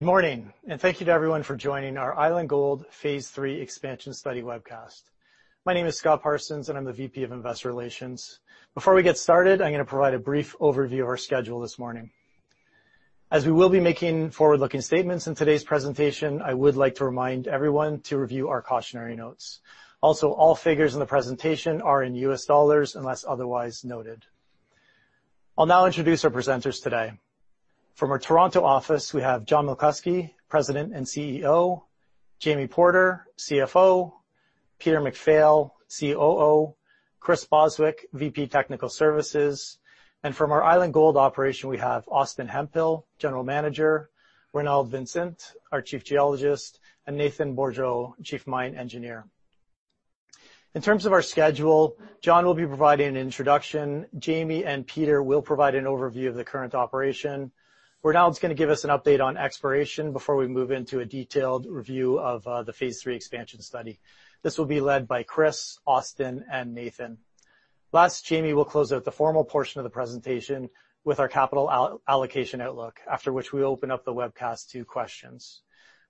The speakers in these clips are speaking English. Morning. Thank you to everyone for joining our Island Gold Phase Three Expansion Study webcast. My name is Scott Parsons, and I'm the VP of Investor Relations. Before we get started, I'm going to provide a brief overview of our schedule this morning. As we will be making forward-looking statements in today's presentation, I would like to remind everyone to review our cautionary notes. Also, all figures in the presentation are in US dollars unless otherwise noted. I'll now introduce our presenters today. From our Toronto office, we have John McCluskey, President and CEO, Jamie Porter, CFO, Peter MacPhail, COO, Chris Bostwick, VP Technical Services, and from our Island Gold operation, we have Austin Hemphill, General Manager, Raynald Vincent, our Chief Geologist, and Nathan Bourgeault, Chief Mine Engineer. In terms of our schedule, John will be providing an introduction. Jamie and Peter will provide an overview of the current operation. Raynald's going to give us an update on exploration before we move into a detailed review of the Phase Three expansion study. This will be led by Chris, Austin, and Nathan. Last, Jamie will close out the formal portion of the presentation with our capital allocation outlook, after which we'll open up the webcast to questions.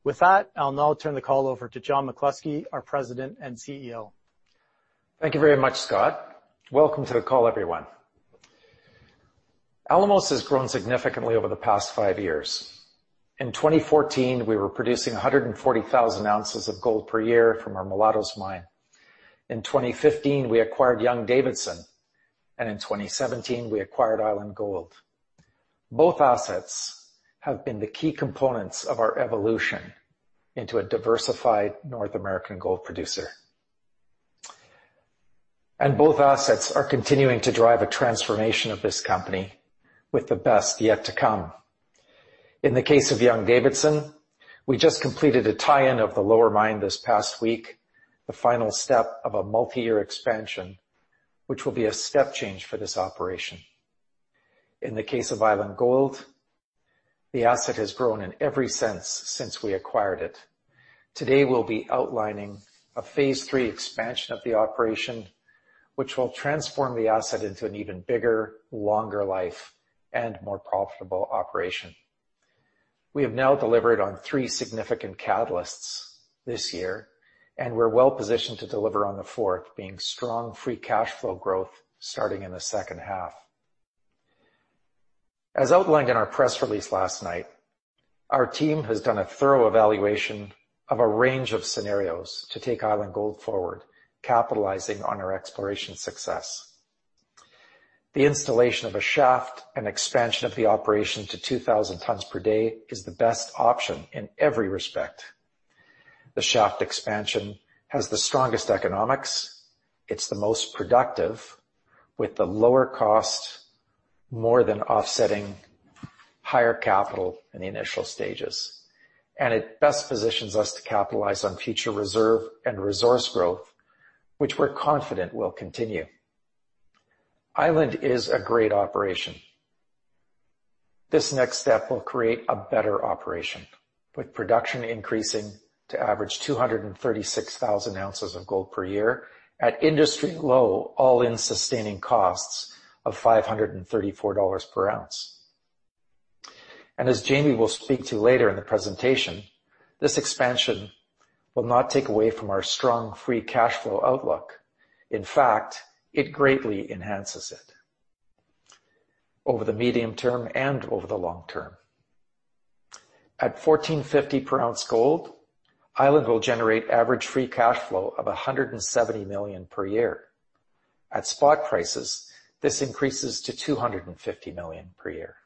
With that, I'll now turn the call over to John McCluskey, our President and Chief Executive Officer. Thank you very much, Scott. Welcome to the call, everyone. Alamos has grown significantly over the past five years. In 2014, we were producing 140,000 ounces of gold per year from our Mulatos mine. In 2015, we acquired Young-Davidson, and in 2017, we acquired Island Gold. Both assets have been the key components of our evolution into a diversified North American gold producer. Both assets are continuing to drive a transformation of this company with the best yet to come. In the case of Young-Davidson, we just completed a tie-in of the lower mine this past week, the final step of a multi-year expansion, which will be a step change for this operation. In the case of Island Gold, the asset has grown in every sense since we acquired it. Today, we'll be outlining a Phase Three expansion of the operation, which will transform the asset into an even bigger, longer life, and more profitable operation. We have now delivered on three significant catalysts this year, and we're well-positioned to deliver on the fourth, being strong free cash flow growth starting in the second half. As outlined in our press release last night, our team has done a thorough evaluation of a range of scenarios to take Island Gold forward, capitalizing on our exploration success. The installation of a shaft and expansion of the operation to 2,000 tons per day is the best option in every respect. The shaft expansion has the strongest economics, it's the most productive with the lower cost, more than offsetting higher capital in the initial stages, and it best positions us to capitalize on future reserve and resource growth, which we're confident will continue. Island is a great operation. This next step will create a better operation, with production increasing to average 236,000 ounces of gold per year at industry low all-in sustaining costs of $534 per ounce. As Jamie will speak to later in the presentation, this expansion will not take away from our strong free cash flow outlook. In fact, it greatly enhances it over the medium term and over the long term. At $1,450 per ounce gold, Island will generate average free cash flow of $170 million per year. At spot prices, this increases to $250 million per year.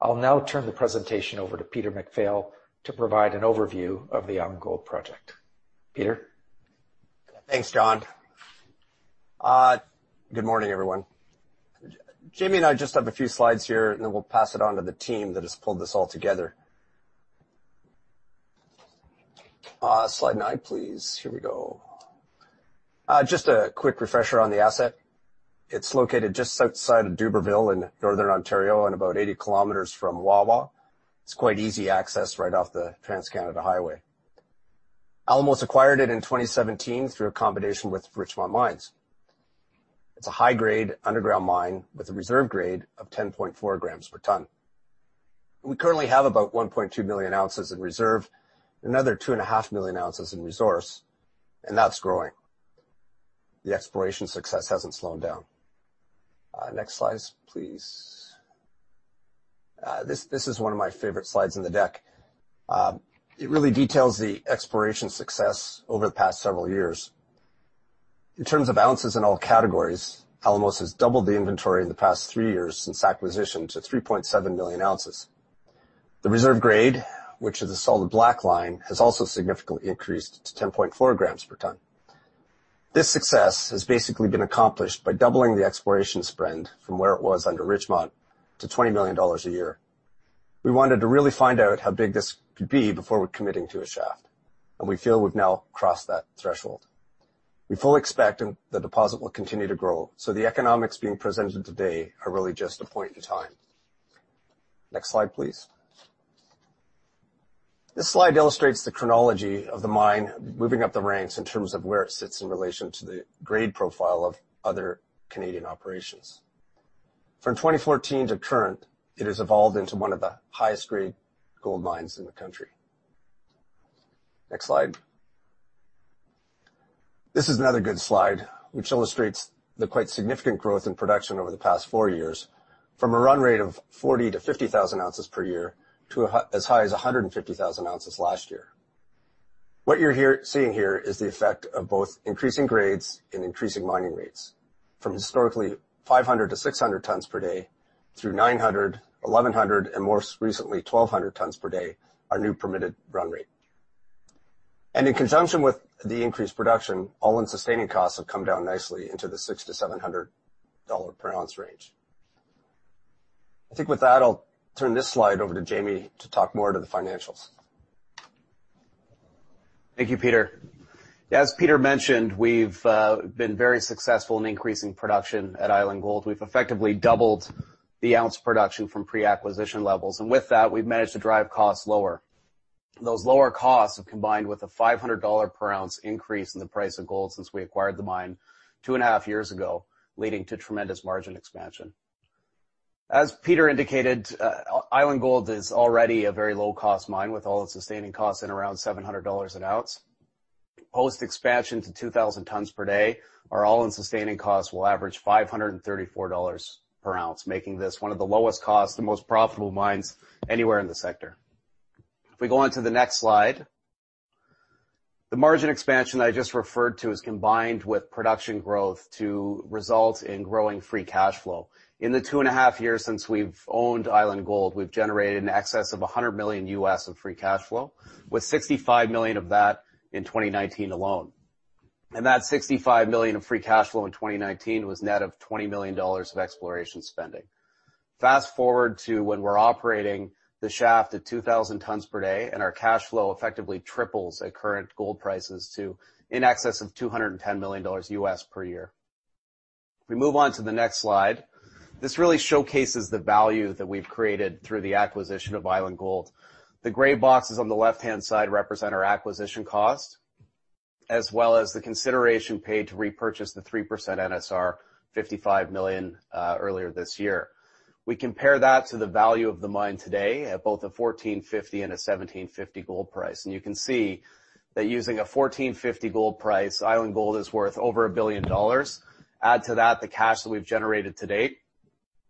I'll now turn the presentation over to Peter MacPhail to provide an overview of the Island Gold project. Peter? Thanks, John. Good morning, everyone. Jamie and I just have a few slides here, and then we'll pass it on to the team that has pulled this all together. Slide nine, please. Here we go. Just a quick refresher on the asset. It's located just outside of Dubreuilville in Northern Ontario and about 80 km from Wawa. It's quite easy access right off the Trans-Canada Highway. Alamos acquired it in 2017 through a combination with Richmont Mines. It's a high-grade underground mine with a reserve grade of 10.4 grams per ton. We currently have about 1.2 million ounces in reserve, another two and a half million ounces in resource, and that's growing. The exploration success hasn't slowed down. Next slides, please. This is one of my favorite slides in the deck. It really details the exploration success over the past several years. In terms of ounces in all categories, Alamos has doubled the inventory in the past three years since acquisition to 3.7 million ounces. The reserve grade, which is the solid black line, has also significantly increased to 10.4 grams per ton. This success has basically been accomplished by doubling the exploration spend from where it was under Richmont to $20 million a year. We wanted to really find out how big this could be before committing to a shaft, and we feel we've now crossed that threshold. We fully expect the deposit will continue to grow, the economics being presented today are really just a point in time. Next slide, please. This slide illustrates the chronology of the mine moving up the ranks in terms of where it sits in relation to the grade profile of other Canadian operations. From 2014 to current, it has evolved into one of the highest grade gold mines in the country. Next slide. This is another good slide which illustrates the quite significant growth in production over the past four years, from a run rate of 40,000-50,000 ounces per year to as high as 150,000 ounces last year. What you're seeing here is the effect of both increasing grades and increasing mining rates, from historically 500-600 tons per day through 900, 1,100, and more recently, 1,200 tons per day, our new permitted run rate. In conjunction with the increased production, all-in sustaining costs have come down nicely into the $600-$700 per ounce range. I think with that, I'll turn this slide over to Jamie to talk more to the financials. Thank you, Peter. As Peter mentioned, we've been very successful in increasing production at Island Gold. We've effectively doubled the ounce production from pre-acquisition levels. With that, we've managed to drive costs lower. Those lower costs have combined with a $500 per ounce increase in the price of gold since we acquired the mine two and a half years ago, leading to tremendous margin expansion. As Peter indicated, Island Gold is already a very low-cost mine, with all-in sustaining costs at around $700 an ounce. Post-expansion to 2,000 tons per day, our all-in sustaining costs will average $534 per ounce, making this one of the lowest cost and most profitable mines anywhere in the sector. If we go on to the next slide. The margin expansion that I just referred to is combined with production growth to result in growing free cash flow. In the two and a half years since we've owned Island Gold, we've generated in excess of $100 million US of free cash flow, with $65 million of that in 2019 alone. That $65 million of free cash flow in 2019 was net of $20 million of exploration spending. Fast-forward to when we're operating the shaft at 2,000 tons per day, and our cash flow effectively triples at current gold prices to in excess of $210 million US per year. If we move on to the next slide. This really showcases the value that we've created through the acquisition of Island Gold. The gray boxes on the left-hand side represent our acquisition cost, as well as the consideration paid to repurchase the 3% NSR $55 million earlier this year. We compare that to the value of the mine today at both a 1,450 and a 1,750 gold price. You can see that using a 1,450 gold price, Island Gold is worth over $1 billion. Add to that, the cash that we've generated to date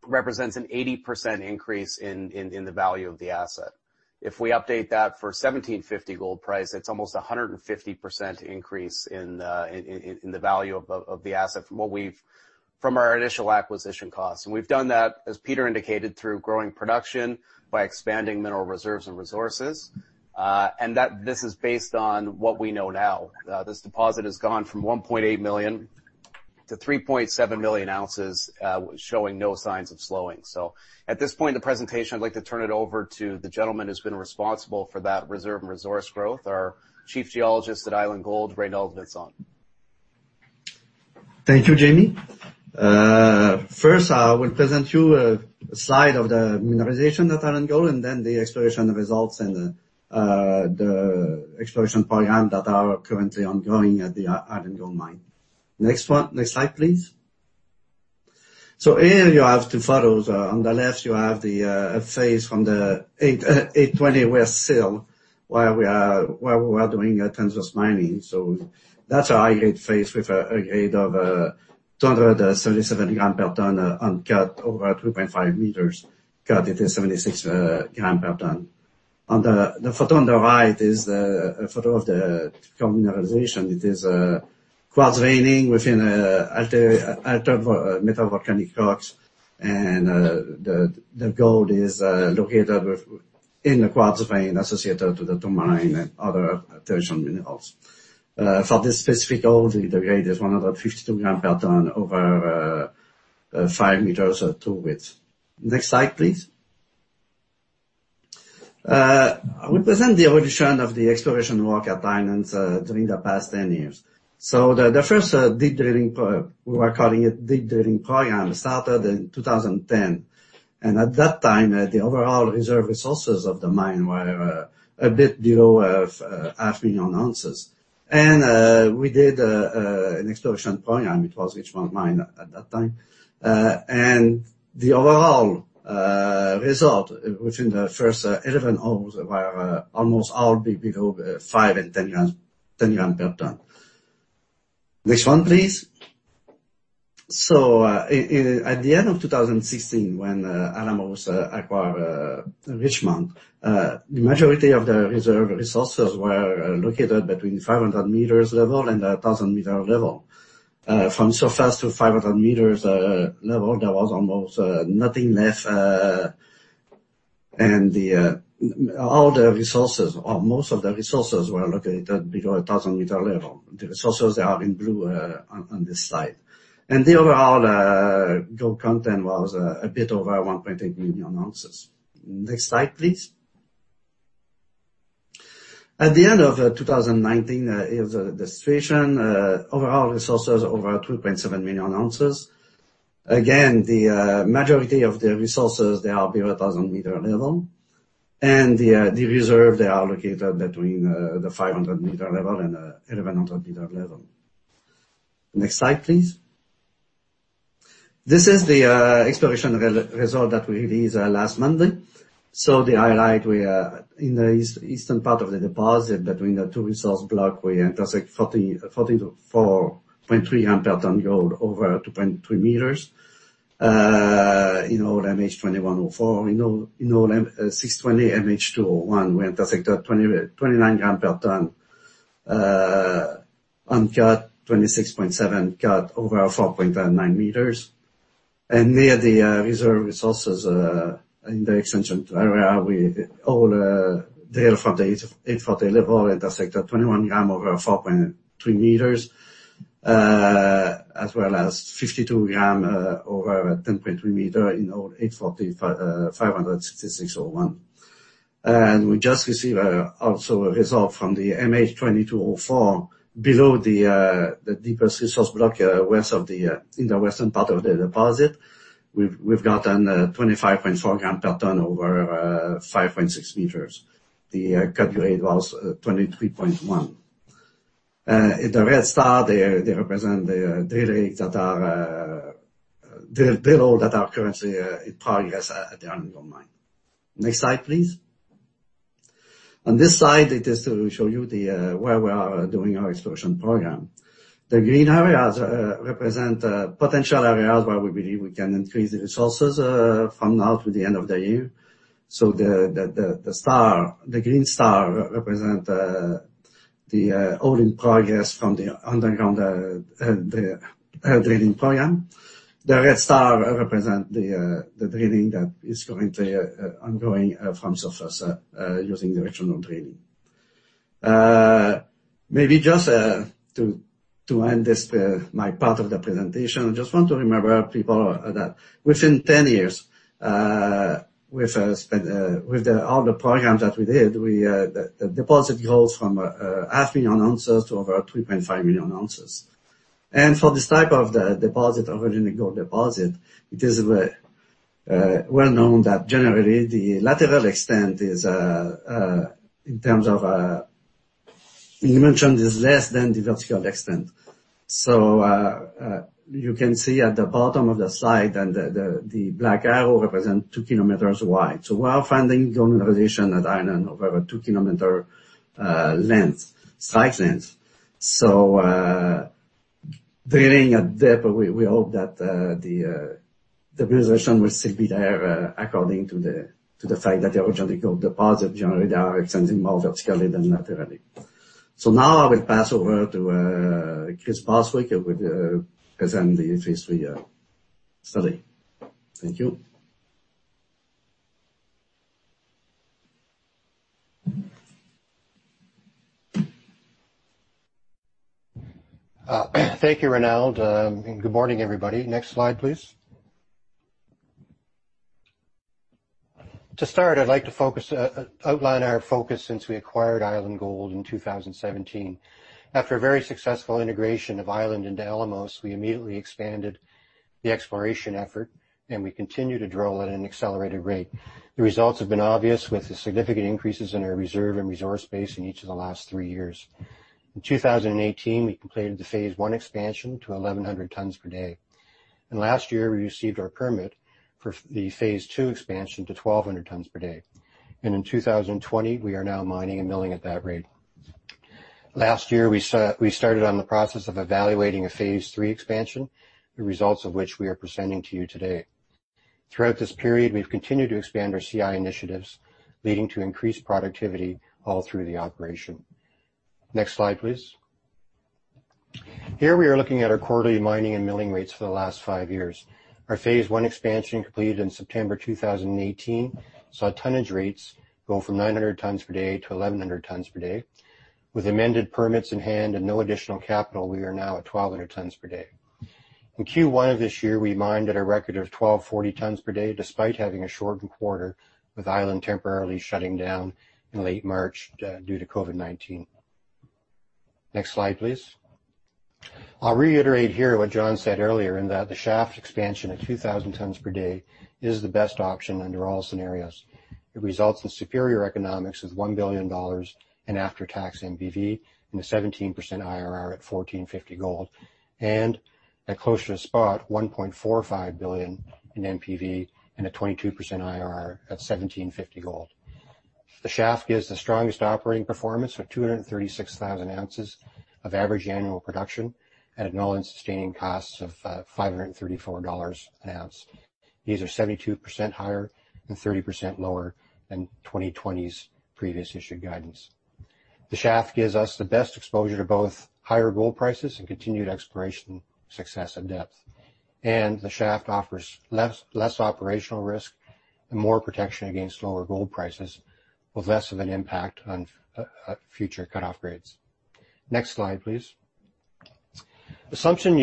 represents an 80% increase in the value of the asset. If we update that for 1,750 gold price, that's almost a 150% increase in the value of the asset from our initial acquisition cost. We've done that, as Peter indicated, through growing production, by expanding mineral reserves and resources. This is based on what we know now. This deposit has gone from 1.8 million to 3.7 million ounces, showing no signs of slowing. At this point in the presentation, I'd like to turn it over to the gentleman who's been responsible for that reserve and resource growth, our chief geologist at Island Gold, Raynald Vincent. Thank you, Jamie. First, I will present you a slide of the mineralization at Island Gold, then the exploration results and the exploration program that are currently ongoing at the Island Gold mine. Next slide, please. Here you have two photos. On the left, you have the face from the 820 west sill where we are doing a tons of mining. That's a high-grade face with a grade of 237 gram per tonne uncut over 2.5 meters. Cut, it is 76 gram per tonne. The photo on the right is a photo of the gold mineralization. It is a quartz veining within a altered metavolcanic rocks. The gold is located in the quartz vein associated to the tourmaline and other tertiary minerals. For this specific gold, the grade is 152 gram per tonne over five meters or true width. Next slide, please. I will present the evolution of the exploration work at Island during the past 10 years. The first deep drilling, we were calling it deep drilling program, started in 2010. At that time, the overall reserve resources of the mine were a bit below half million ounces. We did an exploration program, it was Richmont mine at that time. The overall result within the first 11 holes were almost all big hole, five and 10 gram per tonne. Next one, please. At the end of 2016 when Alamos acquired Richmont, the majority of the reserve resources were located between 500 meters level and 1,000-meter level. From surface to 500 meters level, there was almost nothing left. All the resources, or most of the resources were located below a 1,000-meter level. The resources are in blue on this slide. The overall gold content was a bit over 1.8 million ounces. Next slide, please. At the end of 2019, here's the situation. Overall resources are over 2.7 million ounces. Again, the majority of the resources, they are below 1,000-meter level, and the reserve they are located between the 500-meter level and 1,100-meter level. Next slide, please. This is the exploration result that we released last Monday. The highlight, we are in the eastern part of the deposit between the two resource block, we intersect 44.3 gram per ton gold over 2.3 meters. In hole MH 2104, in hole 620, MH 201, we intersected 29 gram per ton, uncut 26.7, cut over 4.9 meters. Near the reserve resources in the extension area, we all there from the 840 level intersected 21 gram over 4.3 meters, as well as 52 gram over 10.3 meter in hole 840, 56601. We just received also a result from the MH 2204 below the deepest resource block in the western part of the deposit. We've gotten 25.4 gram per ton over 5.6 meters. The cut grade was 23.1. In the red star, they represent the drill rates that are currently in progress at the underground mine. Next slide, please. On this slide it is to show you where we are doing our exploration program. The green areas represent potential areas where we believe we can increase the resources from now to the end of the year. The green star represent the hole in progress from the underground drilling program. The red star represent the drilling that is currently ongoing from surface, using the directional drilling. Maybe just to end this my part of the presentation, I just want to remember people that within 10 years with all the programs that we did, the deposit goes from half million ounces to over 3.5 million ounces. For this type of deposit, orogenic gold deposit, it is well-known that generally the lateral extent is, in terms of dimension, is less than the vertical extent. You can see at the bottom of the slide and the black arrow represent two kilometers wide. We are finding mineralization at Island over two-kilometer length, strike length. Drilling at depth, we hope that the mineralization will still be there according to the fact that originally gold deposit generally are extending more vertically than laterally. Now I will pass over to Chris Bostwick who will present the Phase 3 study. Thank you. Thank you, Raynald. Good morning, everybody. Next slide, please. To start, I'd like to outline our focus since we acquired Island Gold in 2017. After a very successful integration of Island into Alamos, we immediately expanded the exploration effort, and we continue to drill at an accelerated rate. The results have been obvious with the significant increases in our reserve and resource base in each of the last three years. In 2018, we completed the Phase 1 expansion to 1,100 tons per day. Last year, we received our permit for the Phase 2 expansion to 1,200 tons per day. In 2020, we are now mining and milling at that rate. Last year, we started on the process of evaluating a Phase 3 expansion, the results of which we are presenting to you today. Throughout this period, we've continued to expand our CI initiatives, leading to increased productivity all through the operation. Next slide, please. Here we are looking at our quarterly mining and milling rates for the last five years. Our Phase One expansion completed in September 2018, saw tonnage rates go from 900 tons per day to 1,100 tons per day. With amended permits in hand and no additional capital, we are now at 1,200 tons per day. In Q1 of this year, we mined at a record of 1,240 tons per day, despite having a shortened quarter with Island temporarily shutting down in late March, due to COVID-19. Next slide, please. I'll reiterate here what John said earlier in that the shaft expansion of 2,000 tons per day is the best option under all scenarios. It results in superior economics with $1 billion in after-tax NPV and a 17% IRR at $1,450 gold, and at closure to spot $1.45 billion in NPV and a 22% IRR at $1,750 gold. The shaft gives the strongest operating performance of 236,000 ounces of average annual production at an all-in sustaining costs of $534 an ounce. These are 72% higher and 30% lower than 2020's previous issued guidance. The shaft gives us the best exposure to both higher gold prices and continued exploration success at depth. The shaft offers less operational risk and more protection against lower gold prices with less of an impact on future cutoff grades. Next slide, please. Assumptions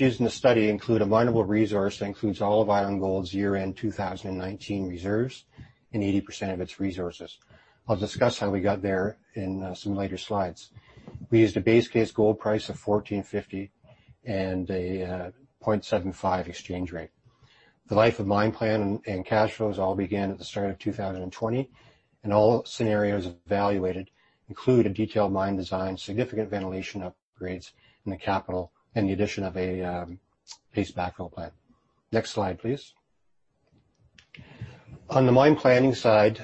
used in the study include a mineable resource that includes all of Island Gold's year-end 2019 reserves and 80% of its resources. I'll discuss how we got there in some later slides. We used a base case gold price of $1,450 and a 0.75 exchange rate. The life of mine plan and cash flows all began at the start of 2020, and all scenarios evaluated include a detailed mine design, significant ventilation upgrades in the capital, and the addition of a paste backfill plant. Next slide, please. On the mine planning side,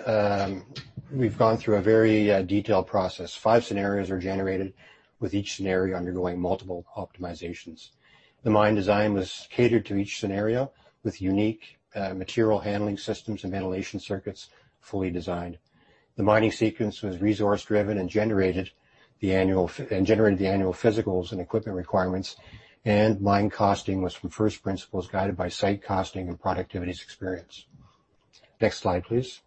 we've gone through a very detailed process. five scenarios were generated with each scenario undergoing multiple optimizations. The mine design was catered to each scenario, with unique material handling systems and ventilation circuits fully designed. The mining sequence was resource-driven and generated the annual physicals and equipment requirements, and mine costing was from first principles guided by site costing and productivities experience. Next slide, please.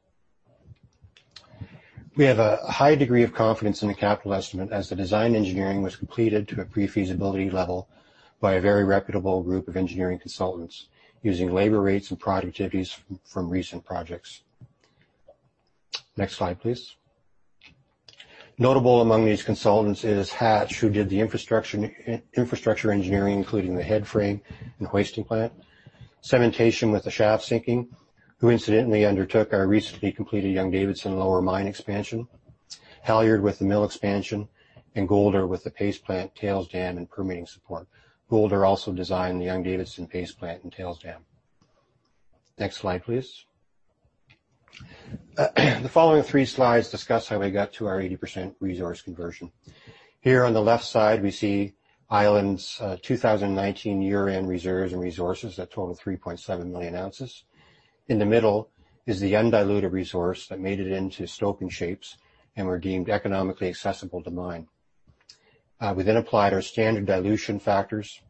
We have a high degree of confidence in the capital estimate, as the design engineering was completed to a pre-feasibility level by a very reputable group of engineering consultants using labor rates and productivities from recent projects. Next slide, please. Notable among these consultants is Hatch, who did the infrastructure engineering, including the headframe and hoisting plant. Cementation with the shaft sinking, who incidentally undertook our recently completed Young-Davidson lower mine expansion. Halyard with the mill expansion, and Golder with the paste plant, tails dam, and permitting support. Golder also designed the Young-Davidson paste plant and tails dam. Next slide, please. The following three slides discuss how we got to our 80% resource conversion. Here on the left side, we see Island's 2019 year-end reserves and resources that total 3.7 million ounces. In the middle is the undiluted resource that made it into stope shapes and were deemed economically accessible to mine. We then applied our standard dilution factors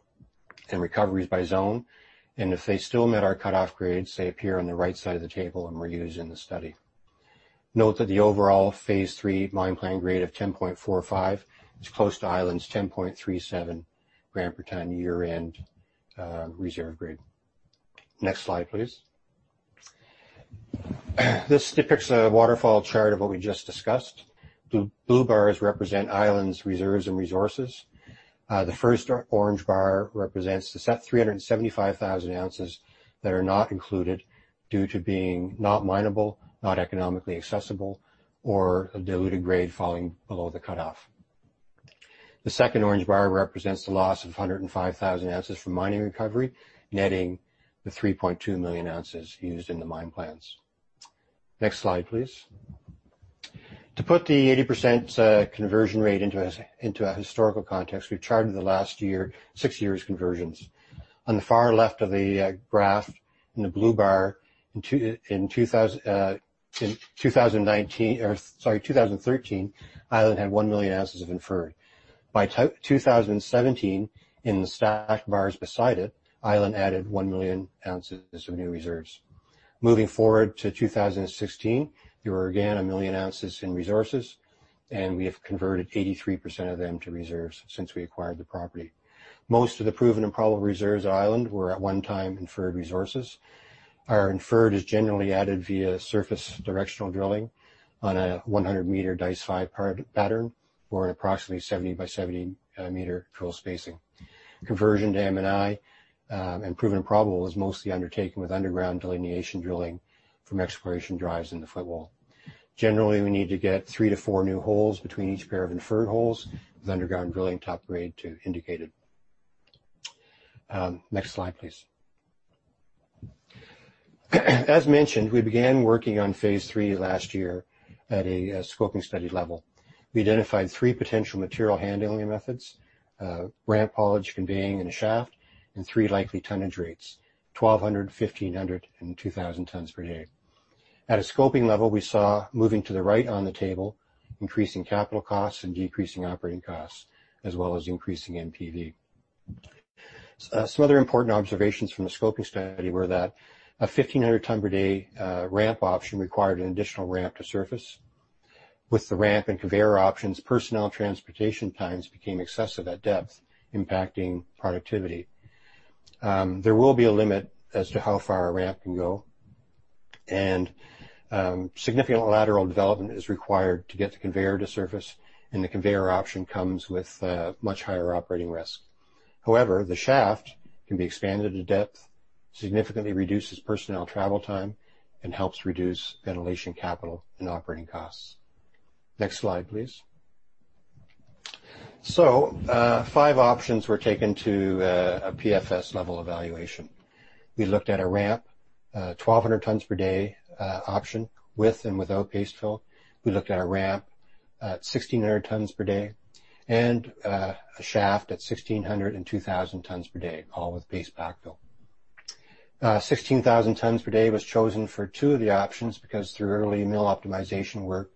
and recoveries by zone, and if they still met our cutoff grades, they appear on the right side of the table and were used in the study. Note that the overall Phase Three mine plan grade of 10.45 is close to Island's 10.37 gram per ton year-end reserve grade. Next slide, please. This depicts a waterfall chart of what we just discussed. Blue bars represent Island's reserves and resources. The first orange bar represents the 375,000 ounces that are not included due to being not mineable, not economically accessible, or a diluted grade falling below the cutoff. The second orange bar represents the loss of 105,000 ounces from mining recovery, netting the 3.2 million ounces used in the mine plans. Next slide, please. To put the 80% conversion rate into a historical context, we've charted the last six years' conversions. On the far left of the graph in the blue bar, in 2013, Island had one million ounces of inferred. By 2017, in the stacked bars beside it, Island added one million ounces of new reserves. Moving forward to 2016, there were again a million ounces in resources, and we have converted 83% of them to reserves since we acquired the property. Most of the proven and probable reserves at Island were at one time inferred resources, are inferred as generally added via surface directional drilling on a 100-meter dice-5 pattern or an approximately 70 by 70 meter drill spacing. Conversion to M&I and proven probable was mostly undertaken with underground delineation drilling from exploration drives in the footwall. Generally, we need to get three to four new holes between each pair of inferred holes with underground drilling to upgrade to indicated. Next slide, please. As mentioned, we began working on Phase Three last year at a scoping study level. We identified three potential material handling methods, ramp, haulage, conveying, and a shaft, and three likely tonnage rates, 1,200, 1,500, and 2,000 tons per day. At a scoping level, we saw, moving to the right on the table, increasing capital costs and decreasing operating costs, as well as increasing NPV. Some other important observations from the scoping study were that a 1,500 ton per day ramp option required an additional ramp to surface. With the ramp and conveyor options, personnel transportation times became excessive at depth, impacting productivity. There will be a limit as to how far a ramp can go, and significant lateral development is required to get the conveyor to surface, and the conveyor option comes with much higher operating risk. However, the shaft can be expanded to depth, significantly reduces personnel travel time, and helps reduce ventilation capital and operating costs. Next slide, please. Five options were taken to a PFS level evaluation. We looked at a ramp, 1,200 tons per day option with and without paste backfill. We looked at a ramp at 1,600 tons per day and a shaft at 1,600 and 2,000 tons per day, all with paste backfill. 16,000 tons per day was chosen for two of the options because through early mill optimization work,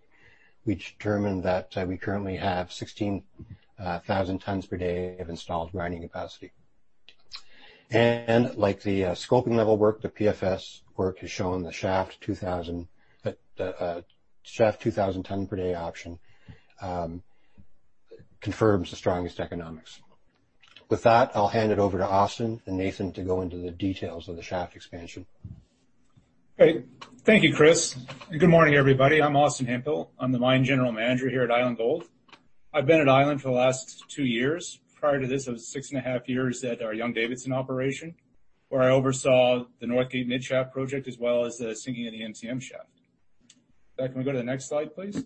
we determined that we currently have 16,000 tons per day of milling capacity. Like the scoping level work, the PFS work has shown the shaft 2,000 ton per day option confirms the strongest economics. With that, I'll hand it over to Austin and Nathan to go into the details of the shaft expansion. Great. Thank you, Chris. Good morning, everybody. I'm Austin Hemphill. I'm the mine General Manager here at Island Gold. I've been at Island for the last two years. Prior to this, I was six and a half years at our Young-Davidson operation, where I oversaw the Northgate Mid Shaft project, as well as the sinking of the MCM shaft. Can we go to the next slide, please?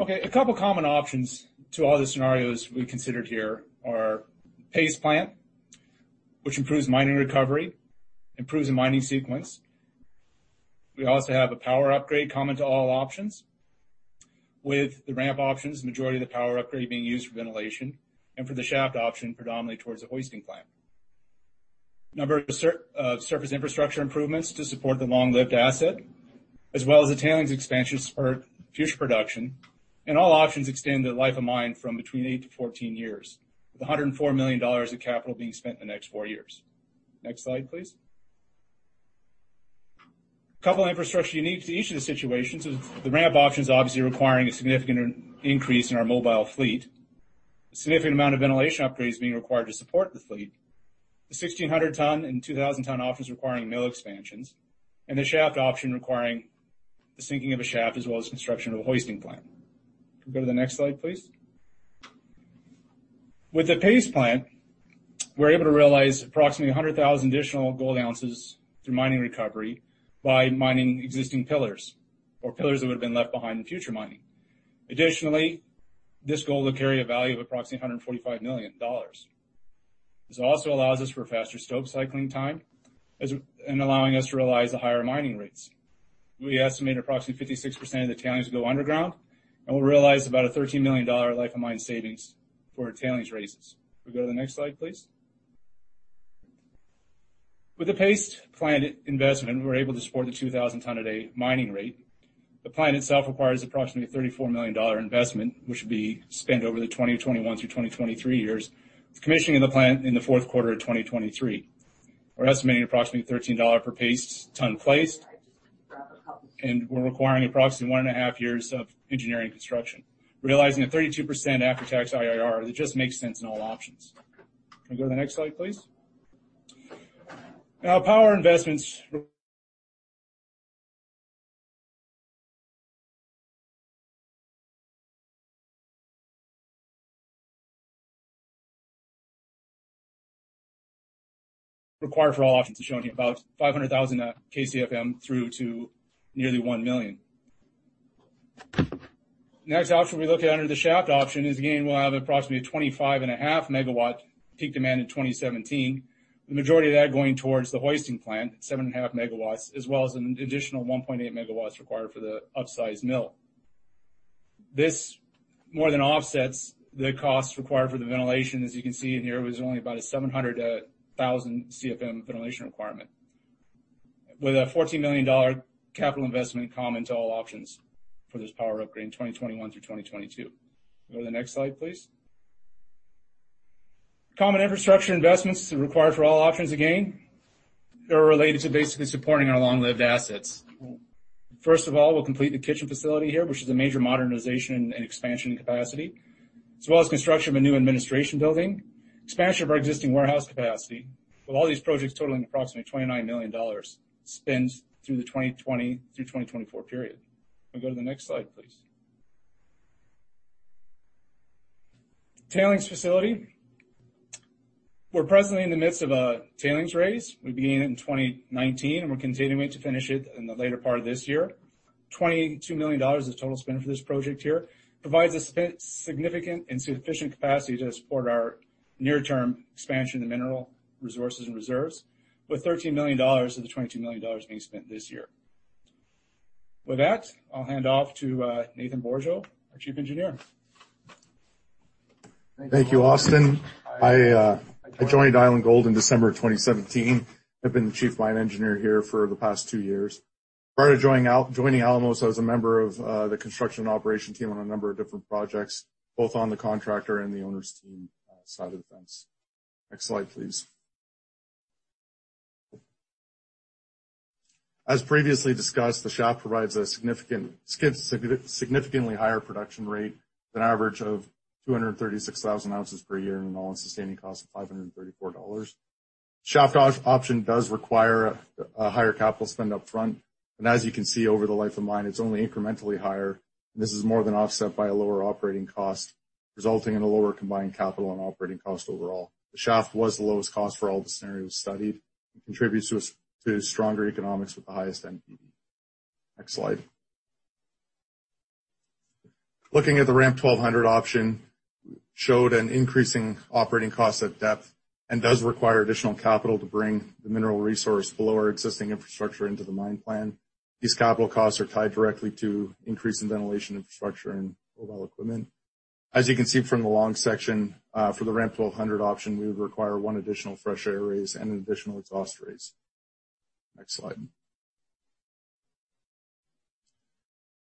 Okay, a couple of common options to all the scenarios we considered here are paste plant, which improves mining recovery, improves the mining sequence. We also have a power upgrade common to all options. With the ramp options, the majority of the power upgrade being used for ventilation, and for the shaft option predominantly towards the hoisting plant. A number of surface infrastructure improvements to support the long-lived asset, as well as the tailings expansion for future production, all options extend the life of mine from between eight to 14 years, with $104 million of capital being spent in the next four years. Next slide, please. A couple of infrastructure unique to each of the situations is the ramp option is obviously requiring a significant increase in our mobile fleet. A significant amount of ventilation upgrades being required to support the fleet. The 1,600 ton and 2,000 ton options requiring mill expansions, the shaft option requiring the sinking of a shaft as well as construction of a hoisting plant. Can we go to the next slide, please? With the paste plant, we're able to realize approximately 100,000 additional gold ounces through mining recovery by mining existing pillars or pillars that would have been left behind in future mining. Additionally, this gold will carry a value of approximately $145 million. This also allows us for faster stope cycling time and allowing us to realize the higher mining rates. We estimate approximately 56% of the tailings go underground, and we'll realize about a $13 million life of mine savings for our tailings raises. Can we go to the next slide, please? With the paste plant investment, we're able to support the 2,000 ton a day mining rate. The plant itself requires approximately $34 million investment, which will be spent over the 2021 through 2023 years, with commissioning of the plant in the fourth quarter of 2023. We're estimating approximately $13 per paste ton placed, and we're requiring approximately one and a half years of engineering construction, realizing a 32% after-tax IRR that just makes sense in all options. Can we go to the next slide, please? Now, power investments required for all options is shown here, about 500,000 CFM through to nearly 1 million. The next option we look at under the shaft option is, again, we'll have approximately 25.5 MW peak demand in 2017, the majority of that going towards the hoisting plant, 7.5 MW, as well as an additional 1.8 MW required for the upsize mill. This more than offsets the cost required for the ventilation. As you can see in here, it was only about a 700,000 CFM ventilation requirement, with a $14 million capital investment common to all options for this power upgrade in 2021 through 2022. Can we go to the next slide, please? Common infrastructure investments required for all options, again, are related to basically supporting our long-lived assets. First of all, we'll complete the kitchen facility here, which is a major modernization and expansion in capacity, as well as construction of a new administration building, expansion of our existing warehouse capacity. With all these projects totaling approximately 29 million dollars spent through the 2020 through 2024 period. Can we go to the next slide, please? Tailings facility. We're presently in the midst of a tailings raise. We began it in 2019, and we're continuing to finish it in the later part of this year. 22 million dollars is the total spend for this project here. Provides a significant and sufficient capacity to support our near-term expansion in mineral resources and reserves, with 13 million dollars of the 22 million dollars being spent this year. With that, I'll hand off to Nathan Bourgeault, our Chief Engineer. Thank you, Austin. I joined Island Gold in December of 2017. I've been the Chief Mine Engineer here for the past two years. Prior to joining Alamos, I was a member of the construction operations team on a number of different projects, both on the contractor and the owner's team side of the fence. Next slide, please. As previously discussed, the shaft provides a significantly higher production rate with an average of 236,000 ounces per year and an all-in sustaining cost of $534. Shaft option does require a higher capital spend up front. As you can see over the life of mine, it's only incrementally higher, and this is more than offset by a lower operating cost, resulting in a lower combined capital and operating cost overall. The shaft was the lowest cost for all the scenarios studied and contributes to stronger economics with the highest NPV. Next slide. Looking at the ramp 1200 option, showed an increasing operating cost at depth and does require additional capital to bring the mineral resource below our existing infrastructure into the mine plan. These capital costs are tied directly to increase in ventilation infrastructure and mobile equipment. As you can see from the long section, for the ramp 1200 option, we would require one additional fresh air raise and an additional exhaust raise. Next slide.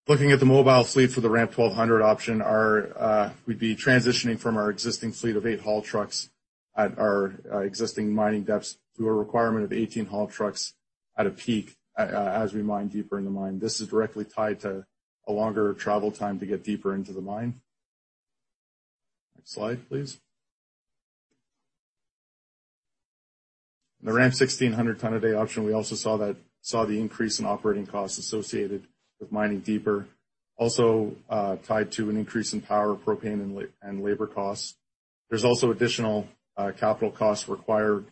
Looking at the mobile fleet for the ramp 1200 option, we'd be transitioning from our existing fleet of eight haul trucks at our existing mining depths to a requirement of 18 haul trucks at a peak as we mine deeper in the mine. This is directly tied to a longer travel time to get deeper into the mine. Next slide, please. The ramp 1,600 tons a day option, we also saw the increase in operating costs associated with mining deeper, also tied to an increase in power, propane, and labor costs. There's also additional capital costs required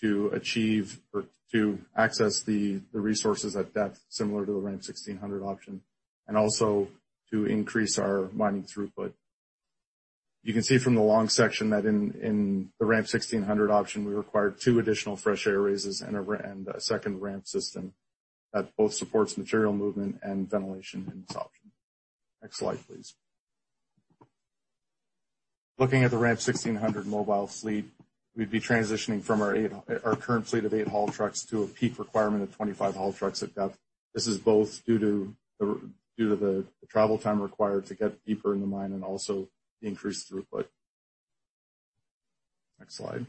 to achieve or to access the resources at depth similar to the ramp 1,600 option, and also to increase our mining throughput. You can see from the long section that in the ramp 1,600 option, we required two additional fresh air raises and a second ramp system that both supports material movement and ventilation in this option. Next slide, please. Looking at the ramp 1,600 mobile fleet, we'd be transitioning from our current fleet of eight haul trucks to a peak requirement of 25 haul trucks at depth. This is both due to the travel time required to get deeper in the mine and also the increased throughput. Next slide.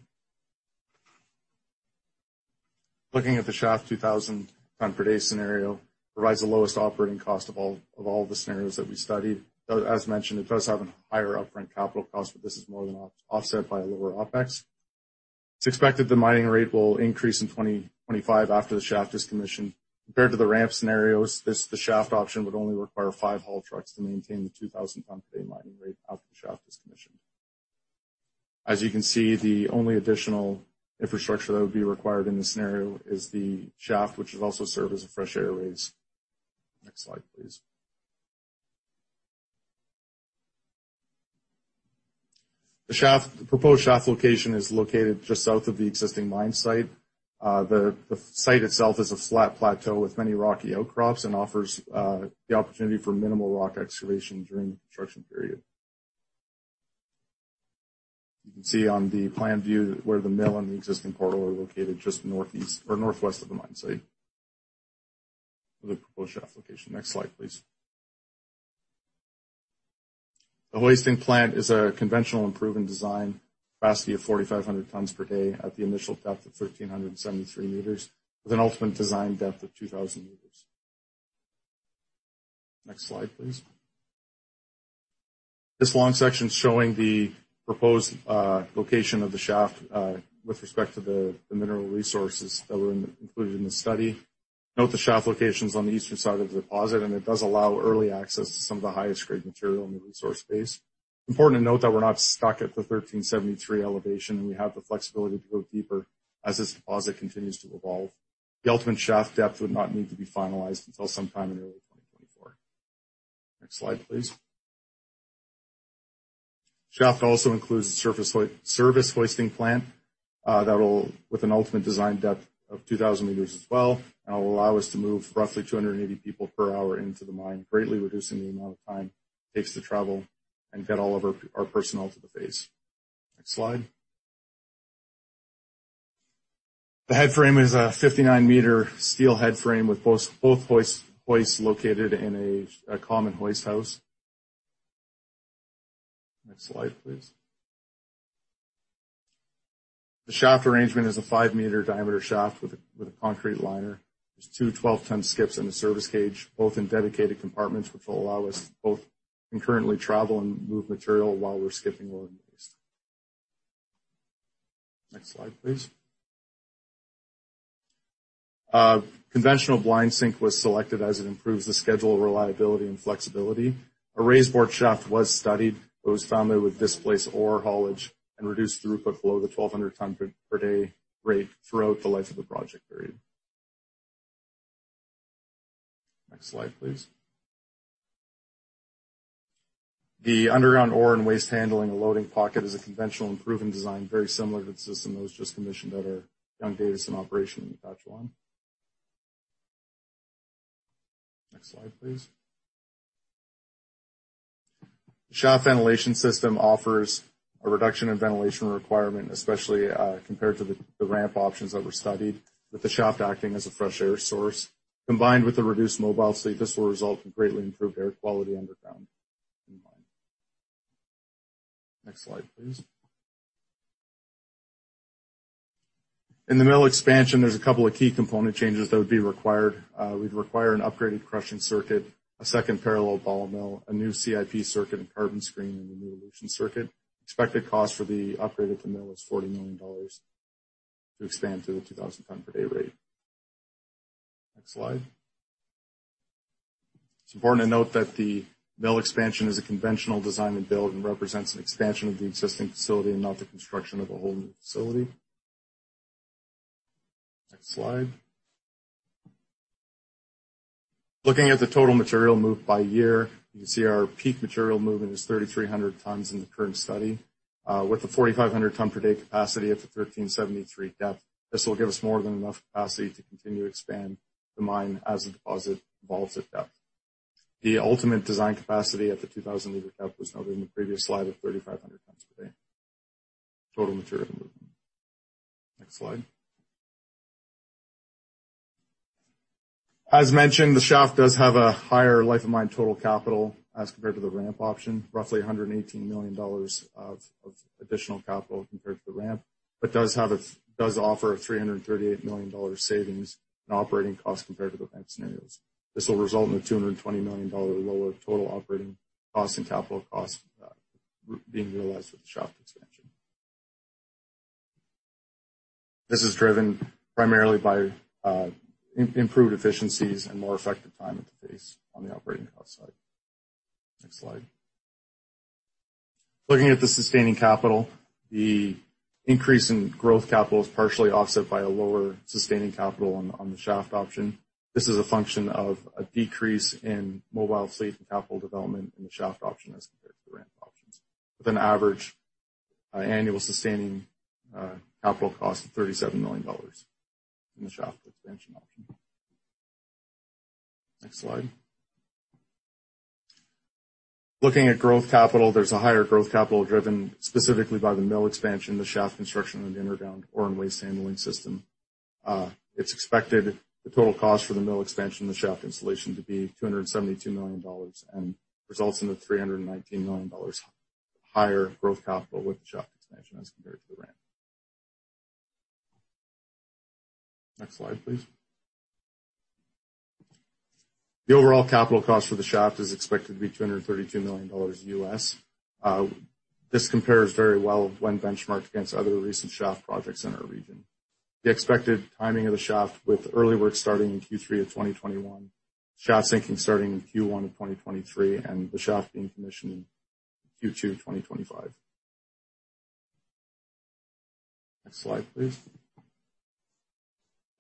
Looking at the shaft 2,000 ton per day scenario, provides the lowest operating cost of all the scenarios that we studied. As mentioned, it does have a higher upfront capital cost. This is more than offset by lower OpEx. It's expected the mining rate will increase in 2025 after the shaft is commissioned. Compared to the ramp scenarios, the shaft option would only require five haul trucks to maintain the 2,000 ton per day mining rate after the shaft is commissioned. As you can see, the only additional infrastructure that would be required in this scenario is the shaft, which would also serve as a fresh air raise. Next slide, please. The proposed shaft location is located just south of the existing mine site. The site itself is a flat plateau with many rocky outcrops and offers the opportunity for minimal rock excavation during the construction period. You can see on the plan view where the mill and the existing portal are located just northeast or northwest of the mine site of the proposed shaft location. Next slide, please. The hoisting plant is a conventional improvement design capacity of 4,500 tons per day at the initial depth of 1,373 meters, with an ultimate design depth of 2,000 meters. Next slide, please. This long section is showing the proposed location of the shaft, with respect to the mineral resources that were included in the study. Note the shaft location's on the eastern side of the deposit, and it does allow early access to some of the highest grade material in the resource base. Important to note that we're not stuck at the 1,373 elevation, and we have the flexibility to go deeper as this deposit continues to evolve. The ultimate shaft depth would not need to be finalized until sometime in early 2024. Next slide, please. Shaft also includes surface hoisting plant with an ultimate design depth of 2,000 meters as well, and it'll allow us to move roughly 280 people per hour into the mine, greatly reducing the amount of time it takes to travel and get all of our personnel to the face. Next slide. The headframe is a 59-meter steel headframe with both hoists located in a common hoist house. Next slide, please. The shaft arrangement is a 5-meter diameter shaft with a concrete liner. There's two 12-ton skips and a service cage, both in dedicated compartments, which will allow us to both concurrently travel and move material while we're skipping load. Next slide, please. A conventional blind sink was selected as it improves the schedule, reliability, and flexibility. A raise bore shaft was studied. It was found that it would displace ore haulage and reduce throughput below the 1,200 ton per day rate throughout the life of the project period. Next slide, please. The underground ore and waste handling and loading pocket is a conventional proven design, very similar to the system that was just commissioned at our Young-Davidson in operation in Matachewan. Next slide, please. The shaft ventilation system offers a reduction in ventilation requirement, especially compared to the ramp options that were studied, with the shaft acting as a fresh air source. Combined with the reduced mobile fleet, this will result in greatly improved air quality underground in the mine. Next slide, please. In the mill expansion, there's a couple of key component changes that would be required. We'd require an upgraded crushing circuit, a second parallel ball mill, a new CIP circuit, and carbon screen, and a new elution circuit. Expected cost for the upgrade of the mill is $40 million to expand to the 2,000 ton per day rate. Next slide. It's important to note that the mill expansion is a conventional design and build and represents an expansion of the existing facility and not the construction of a whole new facility. Next slide. Looking at the total material moved by year, you can see our peak material movement is 3,300 tons in the current study. With a 4,500 ton per day capacity at the 1,373 depth, this will give us more than enough capacity to continue to expand the mine as the deposit evolves at depth. The ultimate design capacity at the 2,000-meter cap was noted in the previous slide of 3,500 tons per day total material movement. Next slide. As mentioned, the shaft does have a higher life of mine total capital as compared to the ramp option. Roughly 118 million dollars of additional capital compared to the ramp, but does offer a 338 million dollar savings in operating cost compared to the ramp scenarios. This will result in a 220 million dollar lower total operating cost and capital cost being realized with the shaft expansion. This is driven primarily by improved efficiencies and more effective time at the face on the operating cost side. Next slide. Looking at the sustaining capital, the increase in growth capital is partially offset by a lower sustaining capital on the shaft option. This is a function of a decrease in mobile fleet and capital development in the shaft option as compared to the ramp options, with an average annual sustaining capital cost of $37 million in the shaft expansion option. Next slide. Looking at growth capital, there's a higher growth capital driven specifically by the mill expansion, the shaft construction, and the underground ore and waste handling system. It's expected the total cost for the mill expansion and the shaft installation to be $272 million and results in a $319 million higher growth capital with the shaft expansion as compared to the ramp. Next slide, please. The overall capital cost for the shaft is expected to be $232 million. This compares very well when benchmarked against other recent shaft projects in our region. The expected timing of the shaft with early work starting in Q3 of 2021, shaft sinking starting in Q1 of 2023, and the shaft being commissioned in Q2 of 2025. Next slide, please.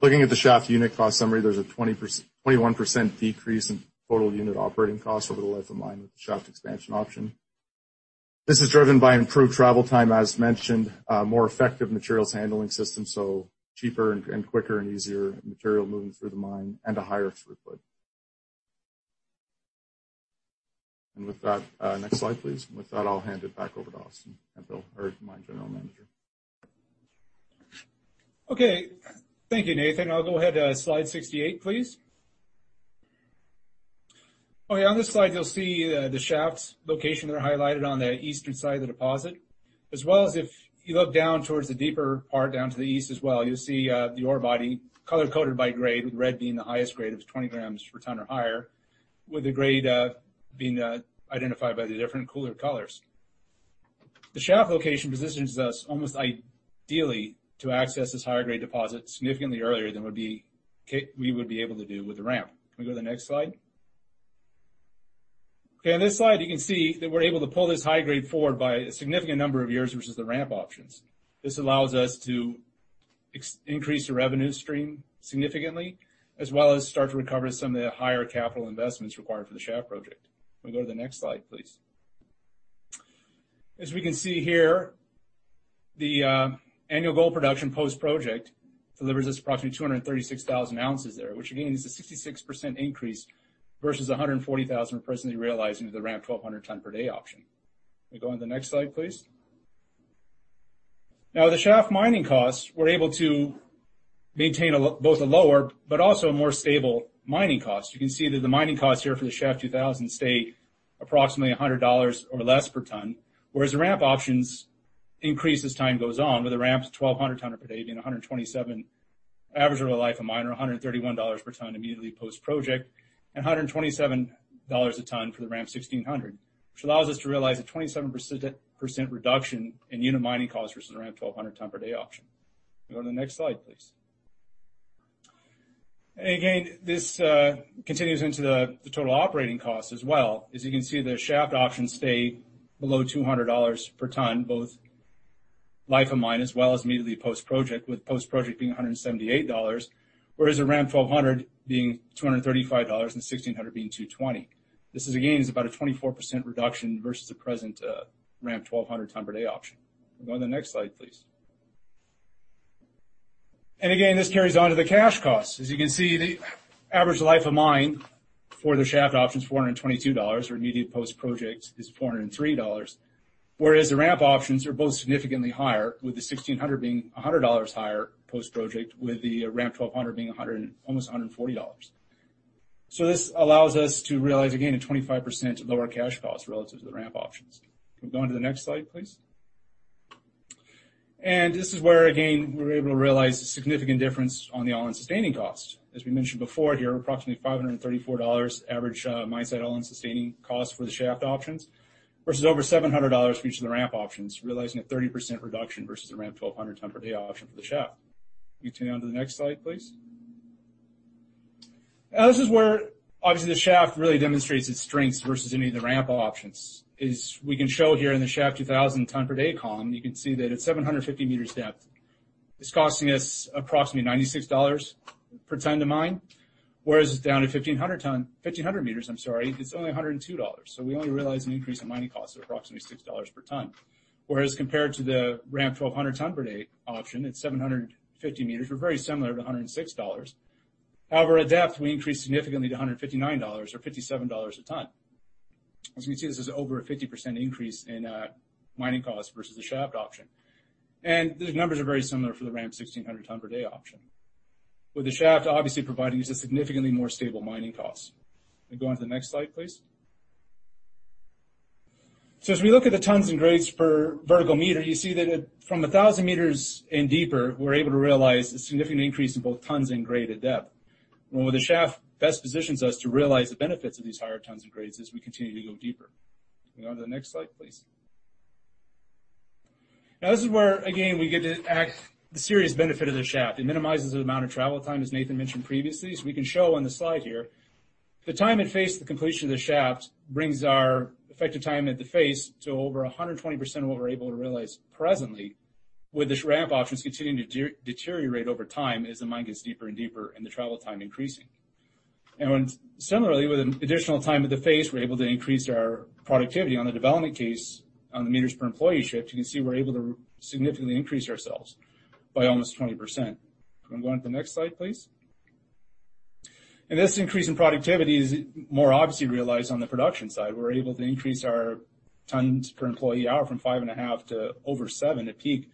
Looking at the shaft unit cost summary, there's a 21% decrease in total unit operating costs over the life of mine with the shaft expansion option. This is driven by improved travel time, as mentioned, more effective materials handling system, so cheaper and quicker and easier material moving through the mine and a higher throughput. With that, next slide, please. With that, I'll hand it back over to Austin Hemphill, our mine General Manager. Okay, thank you, Nathan. I'll go ahead to slide 68, please. Okay, on this slide, you'll see the shaft's location there highlighted on the eastern side of the deposit. If you look down towards the deeper part, down to the east as well, you'll see the ore body color-coded by grade, with red being the highest grade of 20 grams per tonne or higher, with the grade being identified by the different cooler colors. The shaft location positions us almost ideally to access this higher grade deposit significantly earlier than we would be able to do with the ramp. Can we go to the next slide? Okay, on this slide, you can see that we're able to pull this high grade forward by a significant number of years, versus the ramp options. This allows us to increase the revenue stream significantly, as well as start to recover some of the higher capital investments required for the shaft project. Can we go to the next slide, please? As we can see here, the annual gold production post-project delivers us approximately 236,000 ounces there, which again is a 66% increase versus 140,000 presently realized into the ramp 1,200 tonne per day option. Can we go on to the next slide, please? The shaft mining costs, we're able to maintain both a lower but also a more stable mining cost. You can see that the mining costs here for the shaft 2,000 stay approximately $100 or less per tonne, whereas the ramp options increase as time goes on, with the ramps 1,200 tonne per day being $127, average over the life of mine, or $131 per tonne immediately post-project, and $127 a tonne for the ramp 1,600, which allows us to realize a 27% reduction in unit mining costs versus the ramp 1,200 tonne per day option. Can we go to the next slide, please? Again, this continues into the total operating cost as well. As you can see, the shaft options stay below $200 per tonne, both life of mine, as well as immediately post-project, with post-project being $178, whereas the ramp 1,200 being $235 and 1,600 being $220. This again is about a 24% reduction versus the present ramp 1,200 tonne per day option. Can we go to the next slide, please? Again, this carries on to the cash costs. As you can see, the average life of mine for the shaft option is $422, or immediate post-project is $403, whereas the ramp options are both significantly higher, with the 1,600 being $100 higher post-project, with the ramp 1,200 being almost $140. This allows us to realize, again, a 25% lower cash cost relative to the ramp options. Can we go on to the next slide, please? This is where, again, we're able to realize a significant difference on the all-in sustaining cost. As we mentioned before, here approximately $534 average mine site all-in sustaining cost for the shaft options versus over $700 for each of the ramp options, realizing a 30% reduction versus the ramp 1,200 tonne per day option for the shaft. Can we turn on to the next slide, please? This is where obviously the shaft really demonstrates its strengths versus any of the ramp options, is we can show here in the shaft 2,000 tonne per day column. You can see that at 750 meters depth, it's costing us approximately $96 per tonne to mine, whereas down at 1,500 tonne, 1,500 meters, I'm sorry, it's only $102. We only realize an increase in mining costs of approximately $6 per tonne. Whereas compared to the ramp 1,200 tonne per day option, at 750 meters, we're very similar to $106. However, at depth, we increase significantly to $159 or $57 a tonne. As we can see, this is over a 50% increase in mining cost versus the shaft option. The numbers are very similar for the ramp 1,600 tonne per day option, with the shaft obviously providing us a significantly more stable mining cost. Can we go on to the next slide, please? As we look at the tonnes and grades per vertical meter, you see that from 1,000 meters and deeper, we're able to realize a significant increase in both tonnes and grade at depth. Well, the shaft best positions us to realize the benefits of these higher tons and grades as we continue to go deeper. Can we go to the next slide, please? This is where, again, we get to the serious benefit of the shaft. It minimizes the amount of travel time, as Nathan mentioned previously. We can show on the slide here, the time at face to the completion of the shaft brings our effective time at the face to over 120% of what we're able to realize presently, with the ramp options continuing to deteriorate over time as the mine gets deeper and deeper and the travel time increasing. Similarly, with an additional time at the face, we're able to increase our productivity on the development case. On the meters per employee shift, you can see we're able to significantly increase ourselves by almost 20%. Can we go on to the next slide, please? This increase in productivity is more obviously realized on the production side. We're able to increase our tons per employee hour from five and a half to over seven at peak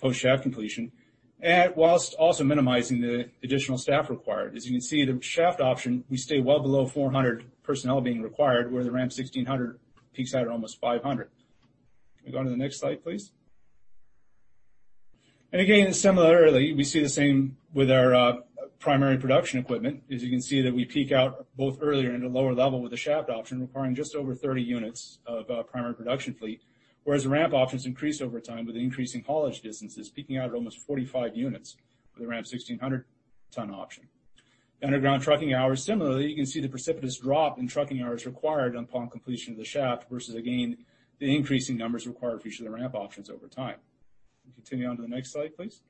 post-shaft completion, while also minimizing the additional staff required. As you can see, the shaft option, we stay well below 400 personnel being required, where the ramp 1,600 peaks out at almost 500. Can we go on to the next slide, please? Similarly, we see the same with our primary production equipment. As you can see that we peak out both earlier and at a lower level with the shaft option, requiring just over 30 units of primary production fleet, whereas the ramp options increase over time with the increasing haulage distances, peaking out at almost 45 units with the ramp 1,600-ton option. Underground trucking hours, similarly, you can see the precipitous drop in trucking hours required upon completion of the shaft versus, again, the increasing numbers required for each of the ramp options over time. Can we continue on to the next slide, please?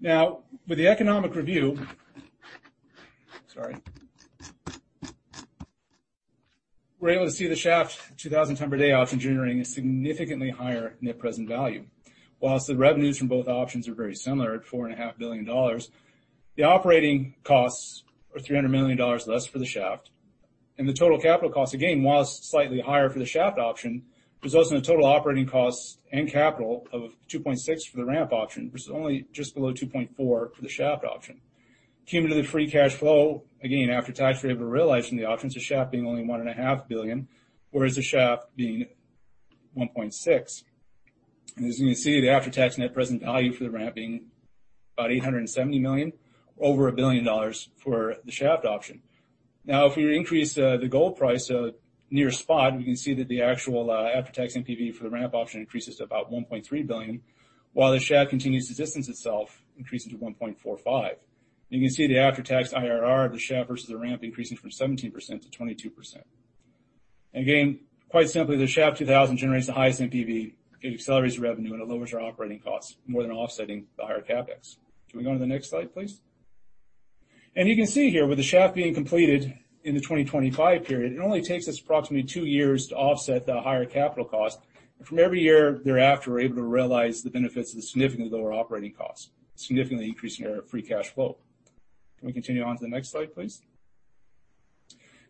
With the economic review, sorry. We're able to see the shaft 2,000 ton per day option generating a significantly higher net present value. While the revenues from both options are very similar at $4.5 billion, the operating costs are $300 million less for the shaft. The total capital cost, again, while slightly higher for the shaft option, results in a total operating cost and capital of $2.6 billion for the ramp option, versus only just below $2.4 billion for the shaft option. Cumulatively free cash flow, again, after-tax we're able to realize from the options, the shaft being only $1.5 billion, whereas the shaft being $1.6 billion. As you can see, the after-tax net present value for the ramp being about $870 million, over $1 billion for the shaft option. Now, if we increase the gold price near spot, we can see that the actual after-tax NPV for the ramp option increases to about $1.3 billion, while the shaft continues to distance itself, increasing to $1.45 billion. You can see the after-tax IRR of the shaft versus the ramp increasing from 17% to 22%. Again, quite simply, the shaft 2,000 generates the highest NPV. It accelerates revenue and it lowers our operating costs, more than offsetting the higher CapEx. Can we go to the next slide, please? You can see here, with the shaft being completed in the 2025 period, it only takes us approximately two years to offset the higher capital cost. From every year thereafter, we're able to realize the benefits of the significantly lower operating cost, significantly increasing our free cash flow. Can we continue on to the next slide, please?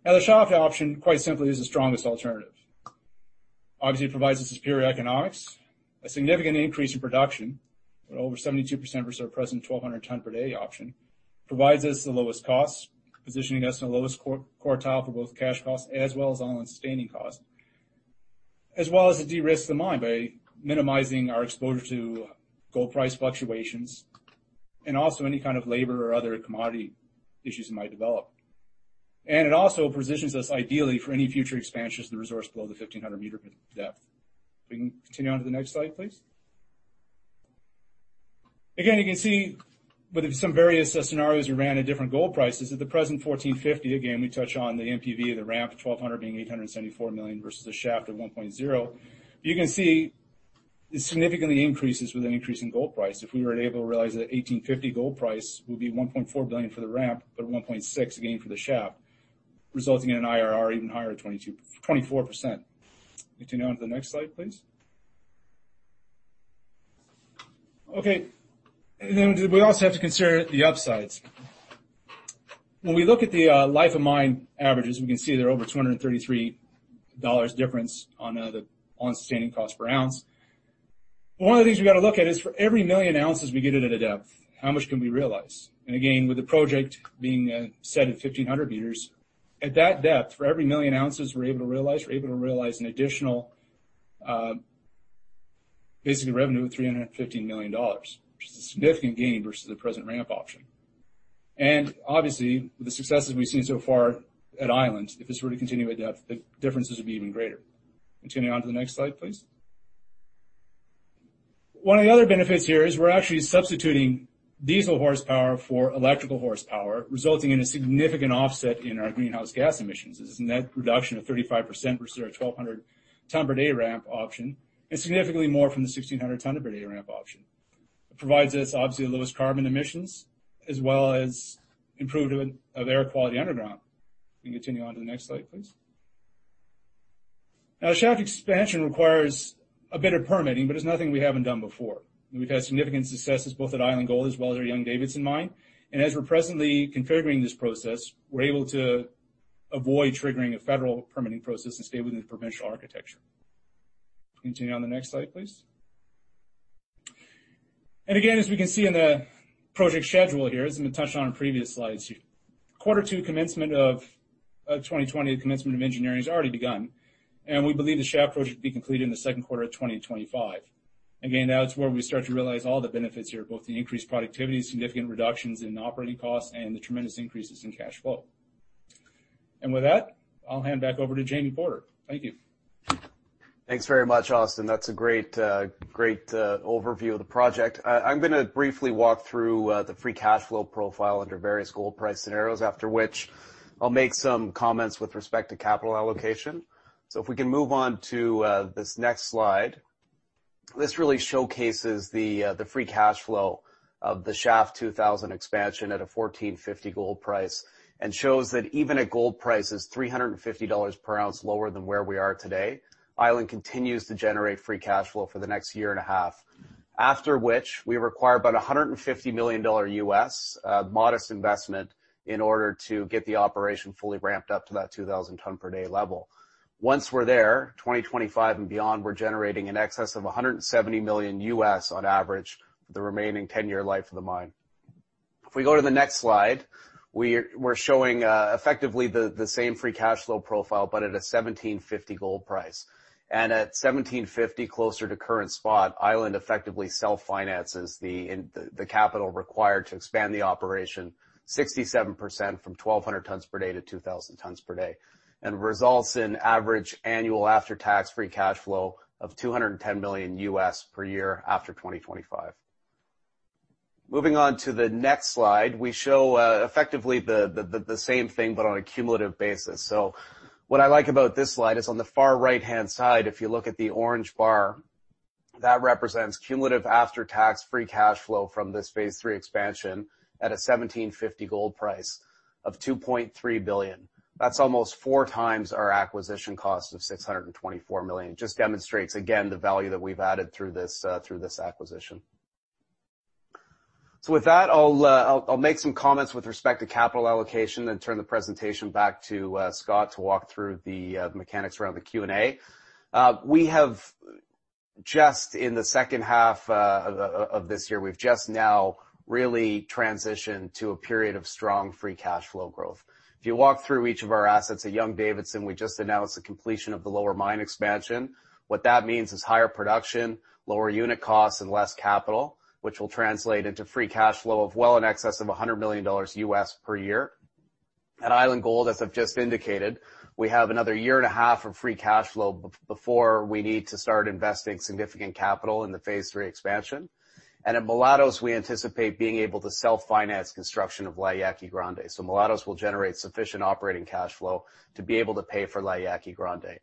The shaft option, quite simply, is the strongest alternative. It provides us superior economics, a significant increase in production, at over 72% versus our present 1,200 ton per day option. Provides us the lowest costs, positioning us in the lowest quartile for both cash costs as well as all-in sustaining costs, as well as to de-risk the mine by minimizing our exposure to gold price fluctuations and also any kind of labor or other commodity issues that might develop. It also positions us ideally for any future expansions to the resource below the 1,500-meter depth. If we can continue on to the next slide, please. You can see with some various scenarios we ran at different gold prices, at the present $1,450, again, we touch on the NPV of the ramp 1,200 being $874 million versus the shaft at $1.0. You can see this significantly increases with an increase in gold price. If we were able to realize that $1,850 gold price, it would be $1.4 billion for the ramp, but $1.6 billion, again, for the shaft, resulting in an IRR even higher at 24%. Continue on to the next slide, please. Okay. We also have to consider the upsides. When we look at the life of mine averages, we can see they're over $233 difference on the all-in-sustaining cost per ounce. One of the things we got to look at is for every million ounces we get in at a depth, how much can we realize? Again, with the project being set at 1,500 meters, at that depth, for every million ounces we're able to realize, we're able to realize an additional basic revenue of $315 million, which is a significant gain versus the present ramp option. Obviously, with the successes we've seen so far at Island, if this were to continue at depth, the differences would be even greater. Continuing on to the next slide, please. One of the other benefits here is we're actually substituting diesel horsepower for electrical horsepower, resulting in a significant offset in our greenhouse gas emissions. This is a net reduction of 35% versus our 1,200 ton per day ramp option, and significantly more from the 1,600 ton per day ramp option. It provides us, obviously, the lowest carbon emissions, as well as improvement of air quality underground. We can continue on to the next slide, please. Now, shaft expansion requires a bit of permitting, but it's nothing we haven't done before. We've had significant successes both at Island Gold as well as our Young-Davidson mine. As we're presently configuring this process, we're able to avoid triggering a federal permitting process and stay within the provincial architecture. Continue on to the next slide, please. Again, as we can see in the project schedule here, as I've been touching on in previous slides here, Quarter two commencement of 2020, the commencement of engineering has already begun, and we believe the shaft approach should be completed in the second quarter of 2025. Again, that's where we start to realize all the benefits here, both the increased productivity, significant reductions in operating costs, and the tremendous increases in cash flow. With that, I'll hand back over to Jamie Porter. Thank you. Thanks very much, Austin. That's a great overview of the project. I'm going to briefly walk through the free cash flow profile under various gold price scenarios, after which I'll make some comments with respect to capital allocation. If we can move on to this next slide. This really showcases the free cash flow of the Shaft 2000 expansion at a $1,450 gold price and shows that even at gold prices $350 per ounce, lower than where we are today, Island continues to generate free cash flow for the next year and a half. After which, we require about $150 million, modest investment, in order to get the operation fully ramped up to that 2,000 tonne per day level. Once we're there, 2025 and beyond, we're generating in excess of $170 million on average for the remaining 10-year life of the mine. If we go to the next slide, we are showing effectively the same free cash flow profile, but at a $1,750 gold price. At $1,750, closer to current spot, Island effectively self-finances the capital required to expand the operation 67% from 1,200 tonnes per day to 2,000 tonnes per day, and results in average annual after-tax free cash flow of $210 million US per year after 2025. Moving on to the next slide, we show effectively the same thing, but on a cumulative basis. What I like about this slide is on the far right-hand side, if you look at the orange bar, that represents cumulative after-tax free cash flow from this Phase 3 expansion at a $1,750 gold price of $2.3 billion. That is almost four times our acquisition cost of $624 million. It just demonstrates, again, the value that we have added through this acquisition. With that, I'll make some comments with respect to capital allocation, then turn the presentation back to Scott to walk through the mechanics around the Q&A. We have just in the second half of this year, we've just now really transitioned to a period of strong free cash flow growth. If you walk through each of our assets at Young-Davidson, we just announced the completion of the lower mine expansion. What that means is higher production, lower unit costs, and less capital, which will translate into free cash flow of well in excess of $100 million per year. At Island Gold, as I've just indicated, we have another year and a half of free cash flow before we need to start investing significant capital in the Phase Three expansion. At Mulatos, we anticipate being able to self-finance construction of La Yaqui Grande. Mulatos will generate sufficient operating cash flow to be able to pay for La Yaqui Grande.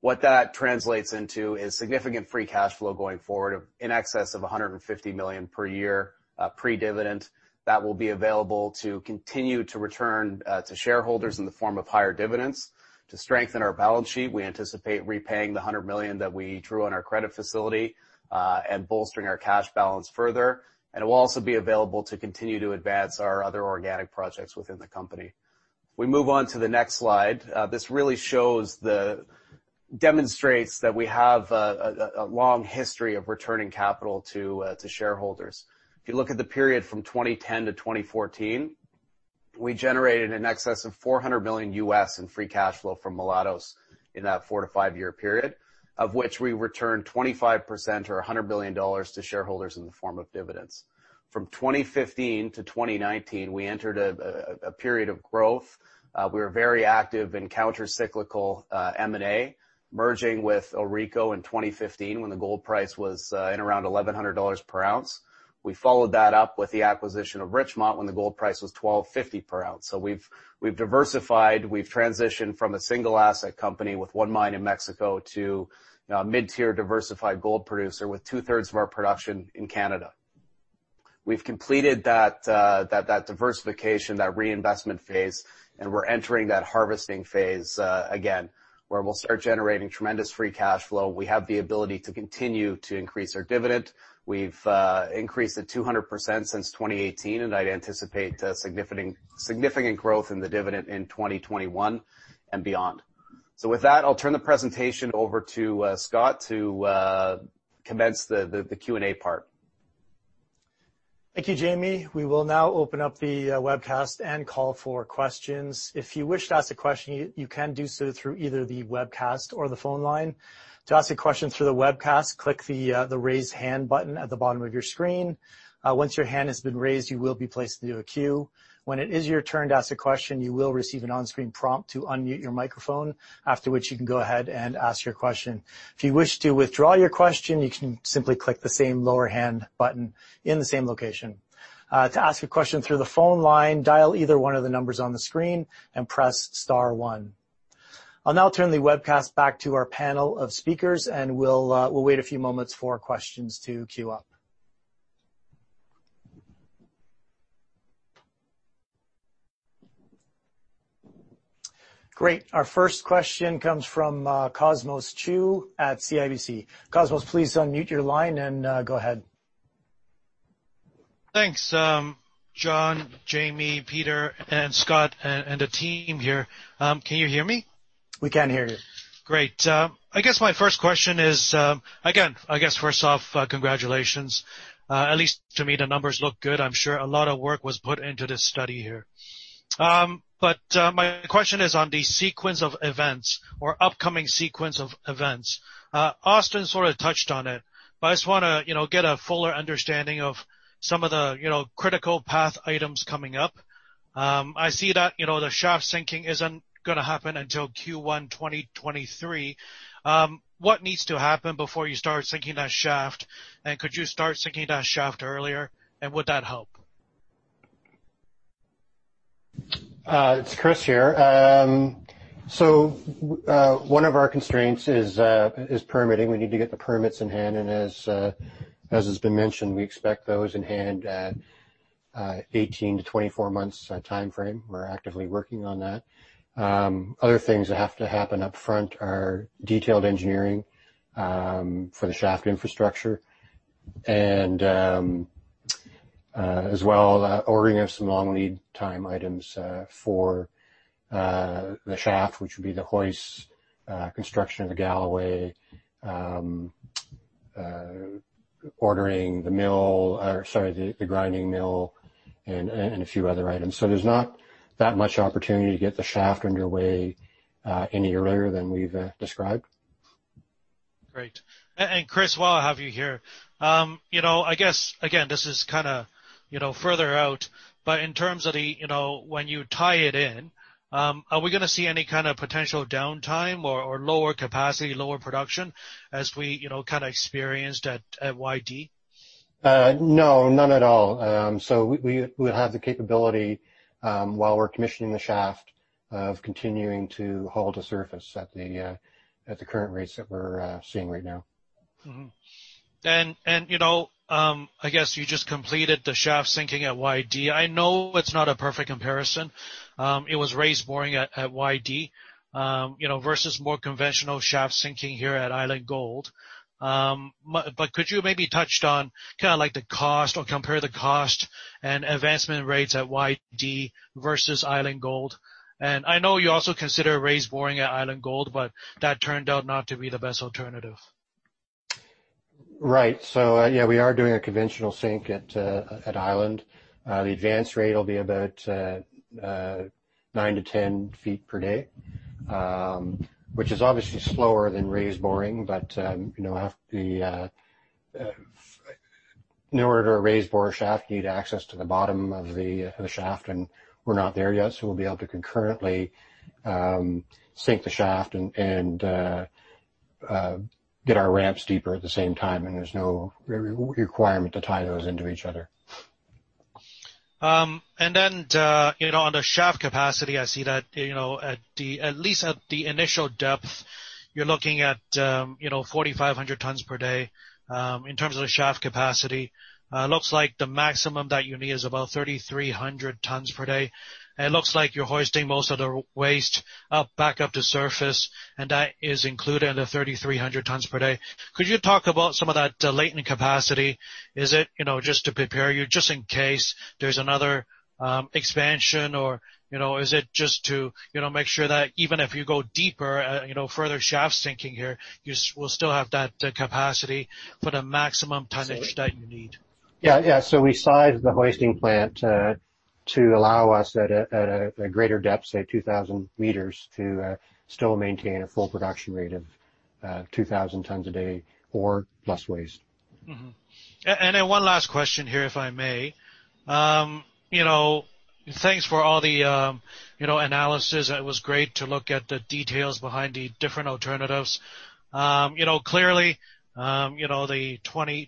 What that translates into is significant free cash flow going forward of in excess of $150 million per year pre-dividend that will be available to continue to return to shareholders in the form of higher dividends. To strengthen our balance sheet, we anticipate repaying the $100 million that we drew on our credit facility, and bolstering our cash balance further, and it will also be available to continue to advance our other organic projects within the company. If we move on to the next slide, this really demonstrates that we have a long history of returning capital to shareholders. If you look at the period from 2010 to 2014, we generated in excess of $400 million US in free cash flow from Mulatos in that 4 to 5-year period, of which we returned 25% or $100 billion to shareholders in the form of dividends. From 2015 to 2019, we entered a period of growth. We were very active in counter-cyclical M&A, merging with AuRico in 2015 when the gold price was in around $1,100 per ounce. We followed that up with the acquisition of Richmont when the gold price was $1,250 per ounce. We've diversified, we've transitioned from a single asset company with one mine in Mexico to a mid-tier diversified gold producer with two-thirds of our production in Canada. We've completed that diversification, that reinvestment phase, and we're entering that harvesting phase, again, where we'll start generating tremendous free cash flow. We have the ability to continue to increase our dividend. We've increased it 200% since 2018, and I'd anticipate significant growth in the dividend in 2021 and beyond. With that, I'll turn the presentation over to Scott to commence the Q&A part. Thank you, Jamie. We will now open up the webcast and call for questions. If you wish to ask a question, you can do so through either the webcast or the phone line. To ask a question through the webcast, click the raise hand button at the bottom of your screen. Once your hand has been raised, you will be placed into a queue. When it is your turn to ask a question, you will receive an on-screen prompt to unmute your microphone, after which you can go ahead and ask your question. If you wish to withdraw your question, you can simply click the same lower hand button in the same location. To ask a question through the phone line, dial either one of the numbers on the screen and press star one. I'll now turn the webcast back to our panel of speakers, and we'll wait a few moments for questions to queue up. Great. Our first question comes from Cosmos Chiu at CIBC. Cosmos, please unmute your line and go ahead. Thanks. John, Jamie, Peter and Scott, and the team here. Can you hear me? We can hear you. Great. I guess my first question is, first off, congratulations. At least to me, the numbers look good. I'm sure a lot of work was put into this study here. My question is on the sequence of events or upcoming sequence of events. Austin sort of touched on it, but I just want to get a fuller understanding of some of the critical path items coming up. I see that the shaft sinking isn't going to happen until Q1 2023. What needs to happen before you start sinking that shaft? Could you start sinking that shaft earlier, and would that help? It's Chris here. One of our constraints is permitting. We need to get the permits in hand, and as has been mentioned, we expect those in hand at 18-24 months timeframe. We're actively working on that. Other things that have to happen upfront are detailed engineering for the shaft infrastructure and, as well, ordering of some long lead time items for the shaft, which would be the hoist construction of the Galloway, ordering the grinding mill, and a few other items. There's not that much opportunity to get the shaft underway any earlier than we've described. Great. Chris, while I have you here, I guess, again, this is further out, but in terms of when you tie it in, are we going to see any kind of potential downtime or lower capacity, lower production, as we experienced at YD? No, none at all. We have the capability, while we're commissioning the shaft, of continuing to haul to surface at the current rates that we're seeing right now. Mm-hmm. I guess you just completed the shaft sinking at YD. I know it's not a perfect comparison. It was raise boring at YD versus more conventional shaft sinking here at Island Gold. Could you maybe touch on the cost or compare the cost and advancement rates at YD versus Island Gold? I know you also consider raise boring at Island Gold, but that turned out not to be the best alternative. Right. Yeah, we are doing a conventional sink at Island. The advance rate will be about 9-10 feet per day, which is obviously slower than raise boring. In order to raise bore a shaft, you need access to the bottom of the shaft, and we're not there yet, so we'll be able to concurrently sink the shaft and get our ramps deeper at the same time, and there's no requirement to tie those into each other. On the shaft capacity, I see that at least at the initial depth, you're looking at 4,500 tons per day in terms of the shaft capacity. Looks like the maximum that you need is about 3,300 tons per day, and looks like you're hoisting most of the waste back up to surface, and that is included in the 3,300 tons per day. Could you talk about some of that latent capacity? Is it just to prepare you just in case there's another expansion, or is it just to make sure that even if you go deeper, further shaft sinking here, you will still have that capacity for the maximum tonnage that you need? Yeah. We sized the hoisting plant to allow us at a greater depth, say, 2,000 meters, to still maintain a full production rate of 2,000 tons a day or plus waste. Mm-hmm. One last question here, if I may. Thanks for all the analysis. It was great to look at the details behind the different alternatives. Clearly, the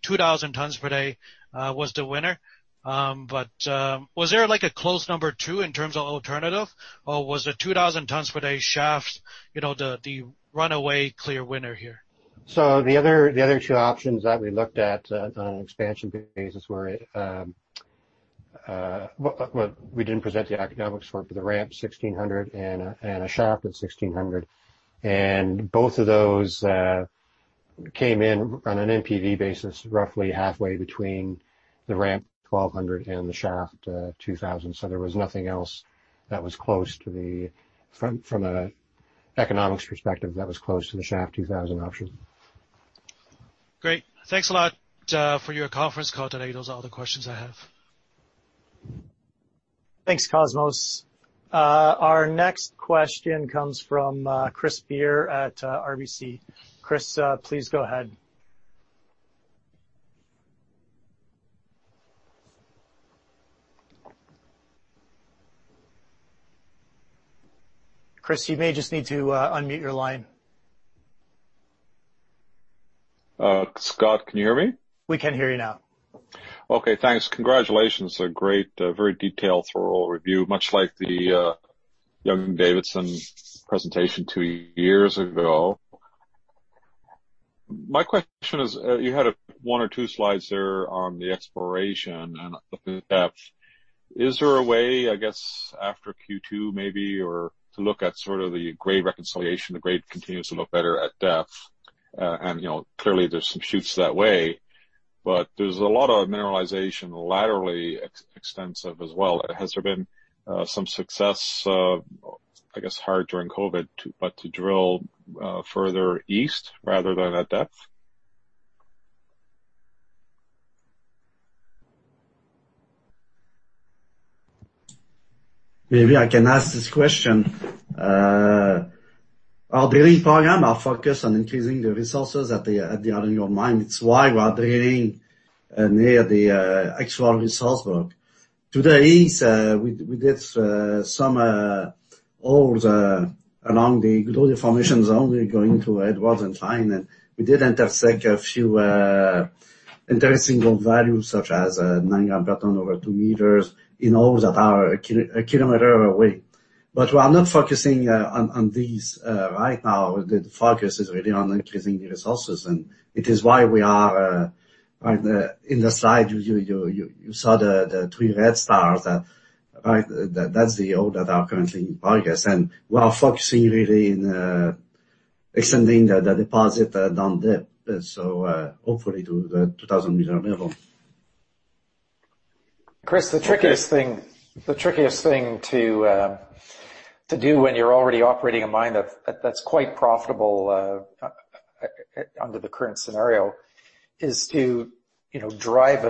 2,000 tons per day was the winner. Was there a close number two in terms of alternative, or was the 2,000 tons per day shaft the runaway clear winner here? The other two options that we looked at on an expansion basis were Well, we didn't present the economics for it, but the ramp 1,600 and a shaft at 1,600. Both of those came in on an NPV basis, roughly halfway between the ramp 1,200 and the shaft 2,000. There was nothing else from an economics perspective that was close to the shaft 2,000 option. Great. Thanks a lot for your conference call today. Those are all the questions I have. Thanks, Cosmos. Our next question comes from Chris Beer at RBC. Chris, please go ahead. Chris, you may just need to unmute your line. Scott, can you hear me? We can hear you now. Okay, thanks. Congratulations. A great, very detailed thorough review, much like the Young-Davidson presentation two years ago. My question is, you had one or two slides there on the exploration and the depth. Is there a way, after Q2 maybe, to look at sort of the grade reconciliation? The grade continues to look better at depth. Clearly there's some shoots that way. There's a lot of mineralization laterally extensive as well. Has there been some success, I guess hard during COVID, but to drill further east rather than at depth? Maybe I can ask this question. Our drilling program are focused on increasing the resources at the underground mine. It's why we are drilling near the actual resource work. To the east, we did some holes along the Goudreau deformation zone. We're going to Edward and Cline. We did intersect a few interesting gold values, such as 9 gram per tonne over two meters in holes that are a kilometer away. We are not focusing on these right now. The focus is really on increasing the resources, it is why we are in the slide, you saw the three red stars. That's the hole that are currently in focus, we are focusing really in extending the deposit down deep. Hopefully to the 2,000 meter level. Chris, the trickiest thing to do when you're already operating a mine that's quite profitable under the current scenario is to get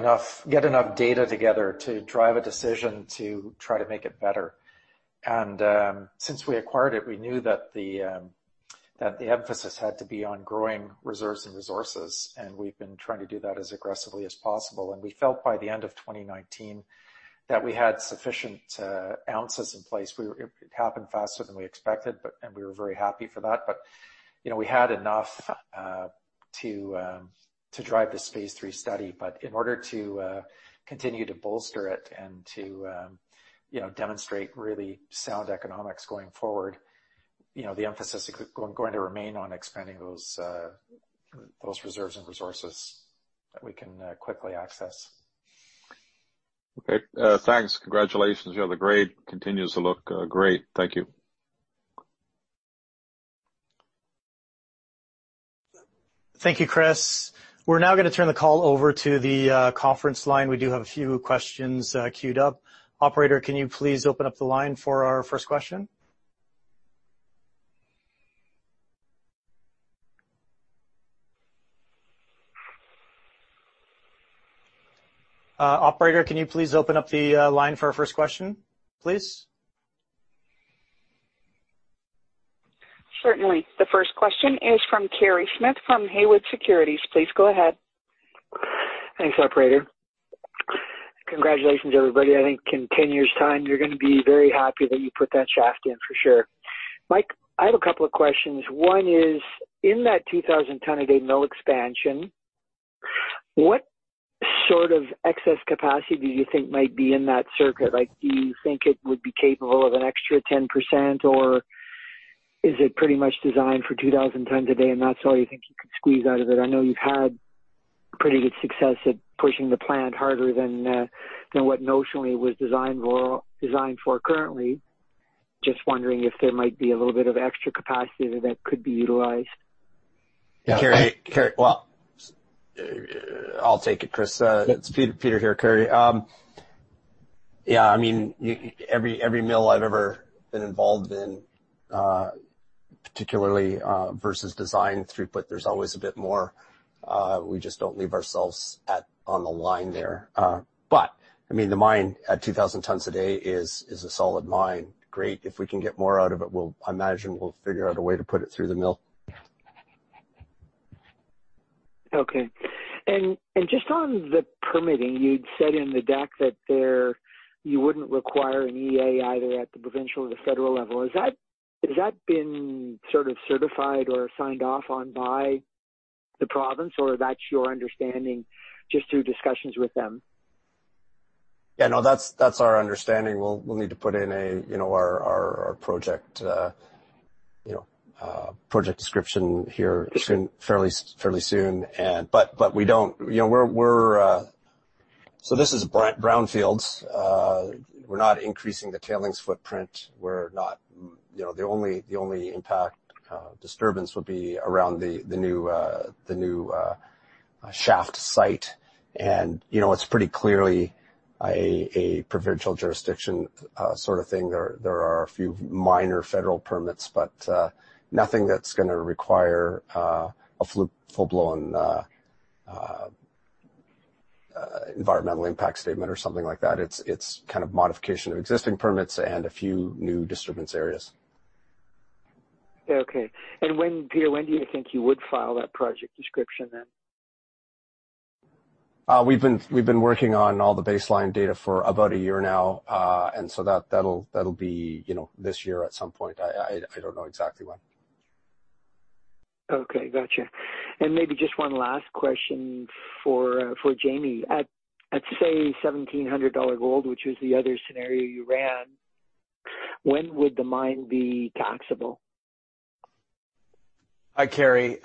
enough data together to drive a decision to try to make it better. Since we acquired it, we knew that the emphasis had to be on growing reserves and resources, and we've been trying to do that as aggressively as possible. We felt by the end of 2019 that we had sufficient ounces in place. It happened faster than we expected, and we were very happy for that. We had enough to drive the Phase 3 study, in order to continue to bolster it and to demonstrate really sound economics going forward, the emphasis is going to remain on expanding those reserves and resources that we can quickly access. Okay, thanks. Congratulations. The grade continues to look great. Thank you. Thank you, Chris. We're now going to turn the call over to the conference line. We do have a few questions queued up. Operator, can you please open up the line for our first question? Operator, can you please open up the line for our first question, please? Certainly. The first question is from Kerry Smith from Haywood Securities. Please go ahead. Thanks, operator. Congratulations, everybody. I think in 10 years' time, you're going to be very happy that you put that shaft in for sure. Mike, I have a couple of questions. One is, in that 2,000 tons a day mill expansion, what sort of excess capacity do you think might be in that circuit? Do you think it would be capable of an extra 10%, or is it pretty much designed for 2,000 tons a day and that's all you think you could squeeze out of it? I know you've had pretty good success at pushing the plant harder than what notionally was designed for currently. Just wondering if there might be a little bit of extra capacity that could be utilized. Kerry, well, I'll take it, Chris. It's Peter here, Kerry. Yeah, every mill I've ever been involved in, particularly, versus design throughput, there's always a bit more. We just don't leave ourselves on the line there. The mine at 2,000 tons a day is a solid mine. Great. If we can get more out of it, I imagine we'll figure out a way to put it through the mill. Okay. Just on the permitting, you'd said in the deck that you wouldn't require an EA either at the provincial or the federal level. Has that been sort of certified or signed off on by the province, or that's your understanding just through discussions with them? Yeah, no, that's our understanding. We'll need to put in our project description here fairly soon. This is a brownfields. We're not increasing the tailings footprint. The only impact disturbance would be around the new shaft site, and it's pretty clearly a provincial jurisdiction sort of thing. There are a few minor federal permits, but nothing that's going to require a full-blown environmental impact statement or something like that. It's kind of modification of existing permits and a few new disturbance areas. Okay. Peter, when do you think you would file that project description then? We've been working on all the baseline data for about a year now. That'll be this year at some point. I don't know exactly when. Okay, got you. Maybe just one last question for Jamie. At, say, $1,700 gold, which was the other scenario you ran, when would the mine be taxable? Hi, Kerry. We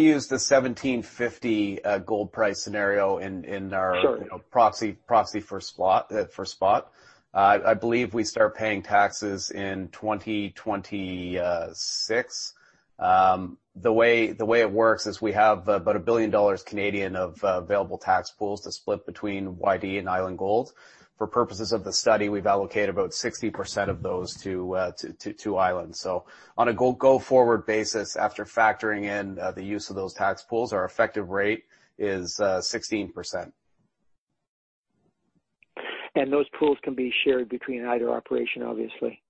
use the $1,750 gold price scenario in our proxy for spot. I believe we start paying taxes in 2026. The way it works is we have about 1 billion dollars of available tax pools to split between YD and Island Gold. For purposes of the study, we've allocated about 60% of those to Island. On a go-forward basis, after factoring in the use of those tax pools, our effective rate is 16%. Those pools can be shared between either operation, obviously.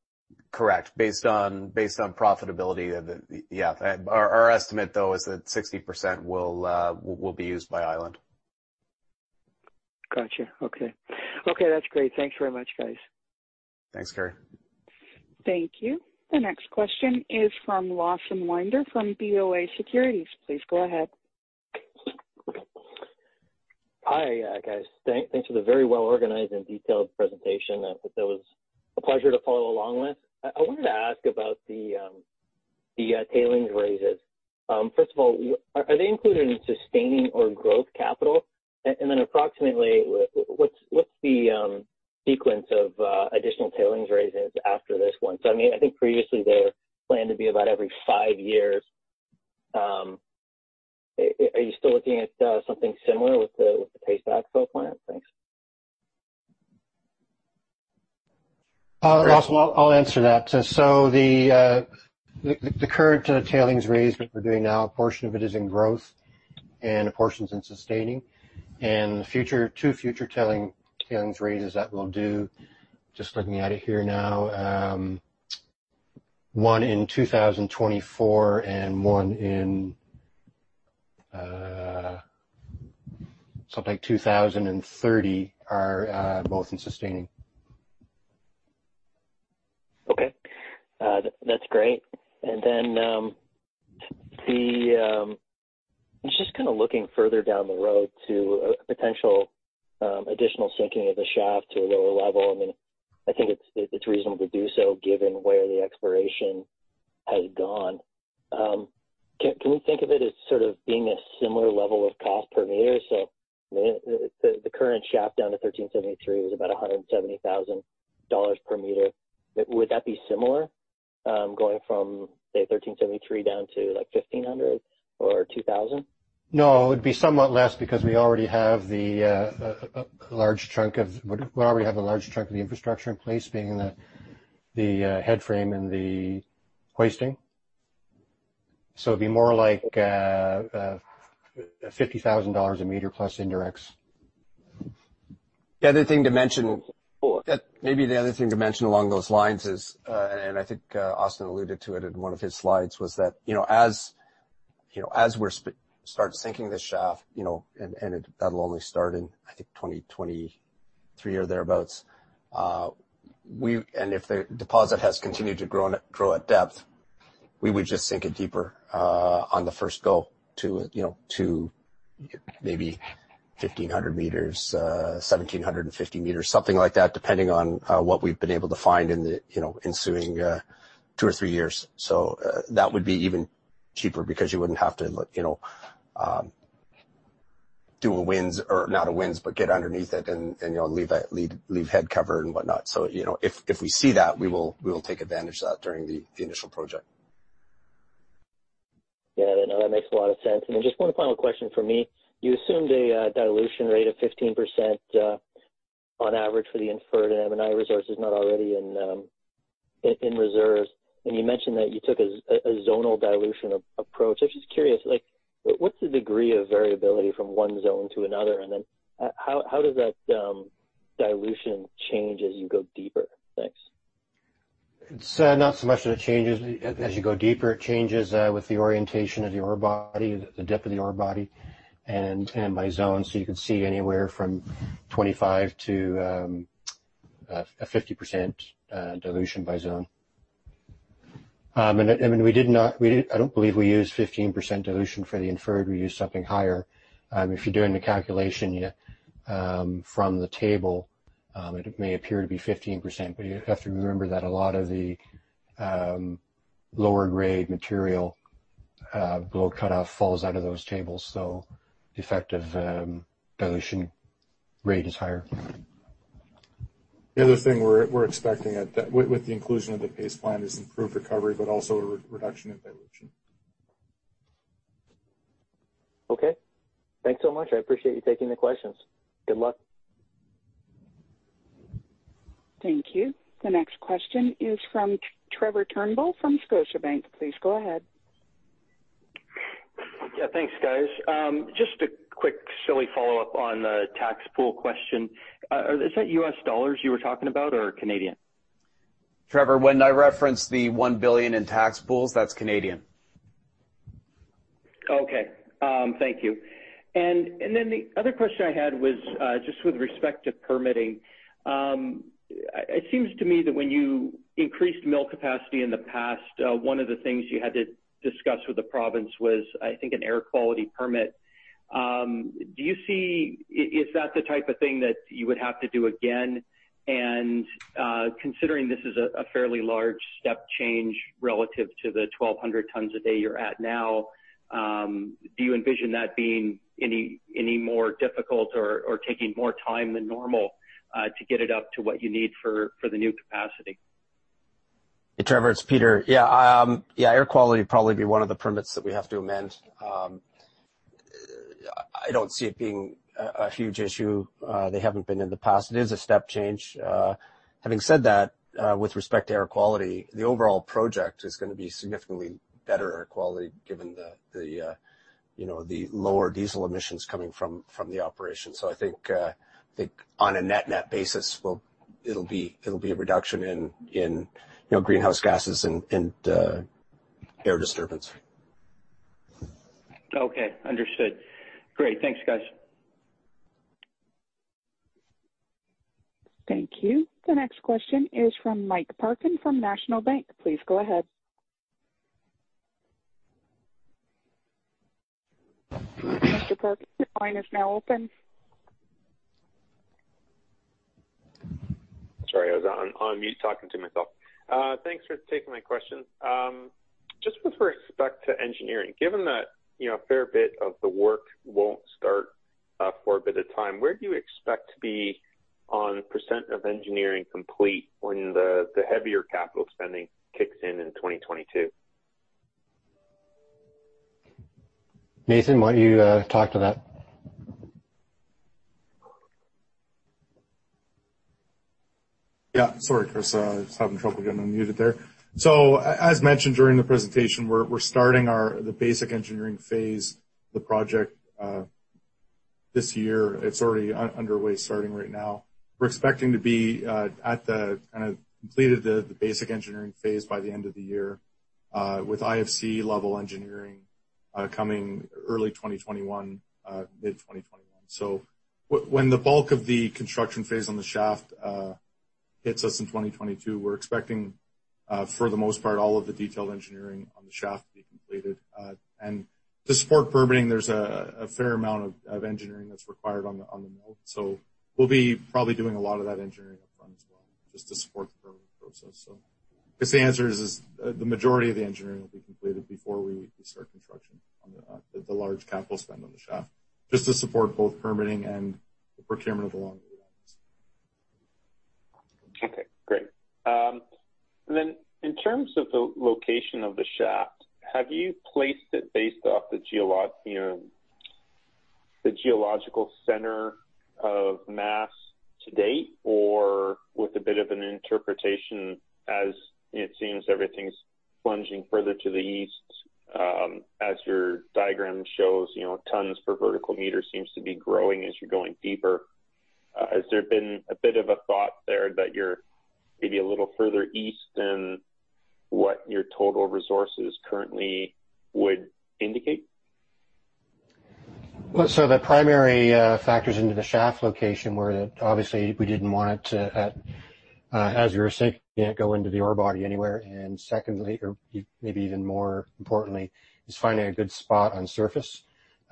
Correct. Based on profitability, yeah. Our estimate, though, is that 60% will be used by Island. Got you. Okay. Okay, that's great. Thanks very much, guys. Thanks, Kerry. Thank you. The next question is from Lawson Winder from BofA Securities. Please go ahead. Hi guys. Thanks for the very well organized and detailed presentation. That was a pleasure to follow along with. I wanted to ask about the tailings raises. First of all, are they included in sustaining or growth capital? Approximately, what's the sequence of additional tailings raises after this one? I think previously they planned to be about every five years. Are you still looking at something similar with the paste backfill plant? Thanks. Lawson, I'll answer that. The current tailings raise that we're doing now, a portion of it is in growth and a portion's in sustaining. Two future tailings raises that we'll do, just looking at it here now, one in 2024 and one in something like 2030 are both in sustaining. Okay. That's great. Then, I was just looking further down the road to a potential additional sinking of the shaft to a lower level. I think it's reasonable to do so given where the exploration has gone. Can we think of it as sort of being a similar level of cost per meter? The current shaft down to 1,373 is about $170,000 per meter. Would that be similar, going from, say, 1,373 down to 1,500 or 2,000? No, it would be somewhat less because we already have a large chunk of the infrastructure in place, being the head frame and the hoisting. It'd be more like 50,000 dollars a meter plus indirects. The other thing to mention along those lines is, and I think Austin alluded to it in one of his slides, was that, as we start sinking this shaft, and that'll only start in, I think, 2023 or thereabouts. If the deposit has continued to grow at depth, we would just sink it deeper on the first go to maybe 1,500 meters, 1,750 meters, something like that, depending on what we've been able to find in the ensuing two or three years. That would be even cheaper because you wouldn't have to do a winze, or not a winze, but get underneath it and leave head cover and whatnot. If we see that, we will take advantage of that during the initial project. Yeah, that makes a lot of sense. Just one final question from me. You assumed a dilution rate of 15% on average for the inferred M&I resources not already in reserves. You mentioned that you took a zonal dilution approach. I was just curious, what's the degree of variability from one zone to another? How does that dilution change as you go deeper? Thanks. It's not so much that it changes as you go deeper. It changes with the orientation of the ore body, the depth of the ore body, and by zone. You could see anywhere from 25% to a 50% dilution by zone. I don't believe we used 15% dilution for the inferred. We used something higher. If you're doing the calculation from the table, it may appear to be 15%, but you have to remember that a lot of the lower grade material gold cutoff falls out of those tables, so the effective dilution rate is higher. The other thing we're expecting with the inclusion of the paste plant is improved recovery, but also a reduction in dilution. Okay. Thanks so much. I appreciate you taking the questions. Good luck. Thank you. The next question is from Trevor Turnbull from Scotiabank. Please go ahead. Thanks, guys. Just a quick silly follow-up on the tax pool question. Is that US dollars you were talking about or Canadian? Trevor, when I referenced the 1 billion in tax pools, that's Canadian. Okay. Thank you. The other question I had was just with respect to permitting. It seems to me that when you increased mill capacity in the past, one of the things you had to discuss with the province was, I think, an air quality permit. Is that the type of thing that you would have to do again? Considering this is a fairly large step change relative to the 1,200 tons a day you're at now, do you envision that being any more difficult or taking more time than normal to get it up to what you need for the new capacity? Hey, Trevor, it's Peter. Yeah, air quality would probably be one of the permits that we have to amend. I don't see it being a huge issue. They haven't been in the past. It is a step change. Having said that, with respect to air quality, the overall project is going to be significantly better air quality given the lower diesel emissions coming from the operation. I think on a net-net basis, it'll be a reduction in greenhouse gases and air disturbance. Okay. Understood. Great. Thanks, guys. Thank you. The next question is from Mike Parkin from National Bank. Please go ahead. Mr. Parkin, your line is now open. Sorry, I was on mute talking to myself. Thanks for taking my question. Just with respect to engineering, given that a fair bit of the work won't start for a bit of time, where do you expect to be on % of engineering complete when the heavier capital spending kicks in in 2022? Nathan, why don't you talk to that? Sorry, Chris, I was having trouble getting unmuted there. As mentioned during the presentation, we're starting the basic engineering phase of the project this year. It's already underway starting right now. We're expecting to be kind of completed the basic engineering phase by the end of the year, with IFC level engineering coming early 2021, mid-2021. When the bulk of the construction phase on the shaft hits us in 2022, we're expecting, for the most part, all of the detailed engineering on the shaft to be completed. To support permitting, there's a fair amount of engineering that's required on the mill. We'll be probably doing a lot of that engineering up front as well just to support the permitting process. I guess the answer is, the majority of the engineering will be completed before we start construction on the large capital spend on the shaft, just to support both permitting and the procurement of the long. Okay, great. In terms of the location of the shaft, have you placed it based off the geological center of mass to date, or with a bit of an interpretation as it seems everything's plunging further to the east? As your diagram shows, tons per vertical meter seems to be growing as you're going deeper. Has there been a bit of a thought there that you're maybe a little further east than what your total resources currently would indicate? The primary factors into the shaft location were that obviously we didn't want it to, as you were saying, go into the ore body anywhere, and secondly, or maybe even more importantly, is finding a good spot on surface.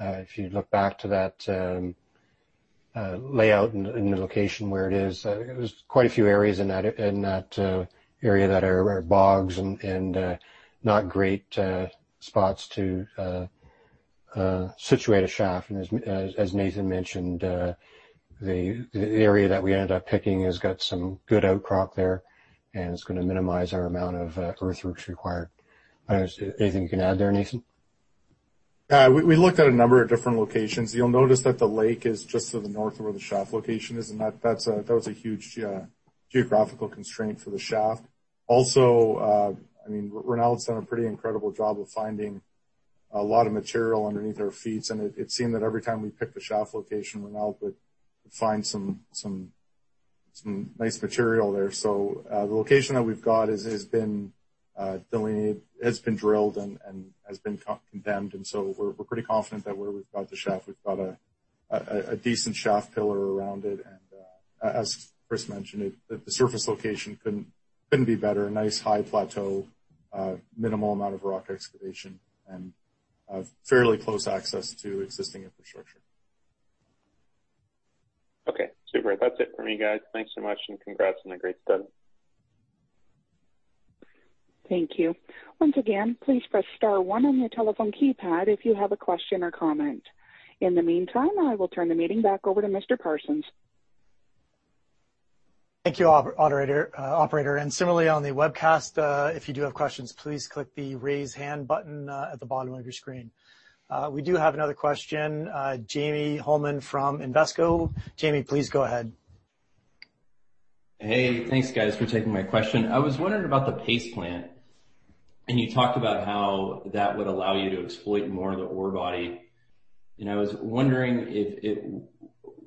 If you look back to that layout and the location where it is, there's quite a few areas in that area that are bogs and not great spots to situate a shaft. As Nathan mentioned, the area that we ended up picking has got some good outcrop there, and it's going to minimize our amount of earthworks required. Anything you can add there, Nathan? We looked at a number of different locations. You'll notice that the lake is just to the north of where the shaft location is, and that was a huge geographical constraint for the shaft. Also, I mean, Raynald's done a pretty incredible job of finding a lot of material underneath our feet, and it seemed that every time we picked a shaft location, Raynald would find some nice material there. The location that we've got has been delineated, has been drilled, and has been condemned. We're pretty confident that where we've got the shaft, we've got a decent shaft pillar around it. As Chris mentioned, the surface location couldn't be better. A nice high plateau, minimal amount of rock excavation, and fairly close access to existing infrastructure. Okay, super. That's it from me, guys. Thanks so much, and congrats on the great study. Thank you. Once again, please press star one on your telephone keypad if you have a question or comment. In the meantime, I will turn the meeting back over to Mr. Parsons. Thank you, operator. Similarly on the webcast, if you do have questions, please click the Raise Hand button at the bottom of your screen. We do have another question. James Holman from Invesco. Jamie, please go ahead. Hey, thanks, guys, for taking my question. I was wondering about the paste plant. You talked about how that would allow you to exploit more of the ore body. I was wondering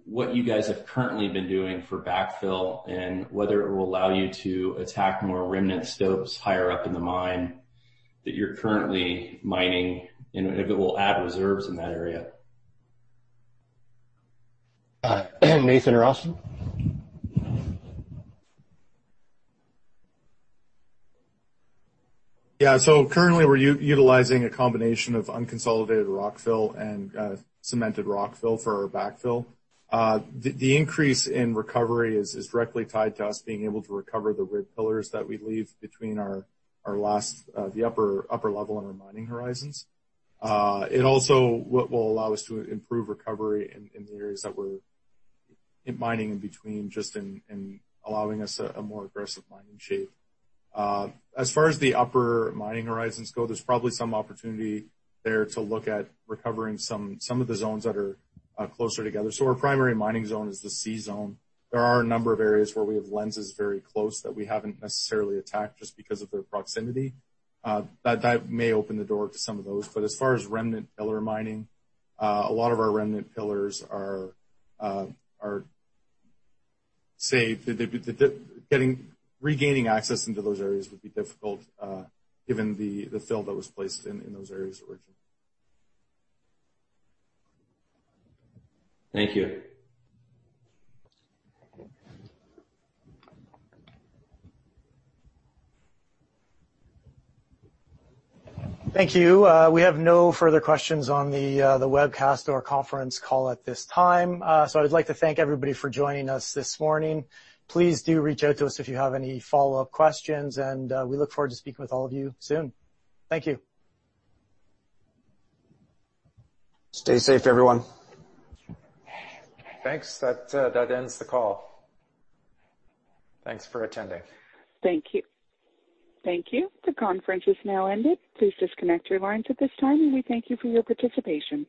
what you guys have currently been doing for backfill and whether it will allow you to attack more remnant stopes higher up in the mine that you're currently mining, and if it will add reserves in that area. Nathan or Austin? Yeah. Currently we're utilizing a combination of unconsolidated rockfill and cemented rockfill for our backfill. The increase in recovery is directly tied to us being able to recover the rib pillars that we leave between the upper level and our mining horizons. It also will allow us to improve recovery in the areas that we're mining in between, just in allowing us a more aggressive mining shape. As far as the upper mining horizons go, there's probably some opportunity there to look at recovering some of the zones that are closer together. Our primary mining zone is the C zone. There are a number of areas where we have lenses very close that we haven't necessarily attacked just because of their proximity. That may open the door to some of those. As far as remnant pillar mining, a lot of our remnant pillars are safe. Regaining access into those areas would be difficult given the fill that was placed in those areas originally. Thank you. Thank you. We have no further questions on the webcast or conference call at this time. I would like to thank everybody for joining us this morning. Please do reach out to us if you have any follow-up questions, and we look forward to speaking with all of you soon. Thank you. Stay safe, everyone. Thanks. That ends the call. Thanks for attending. Thank you. Thank you. The conference has now ended. Please disconnect your lines at this time, and we thank you for your participation.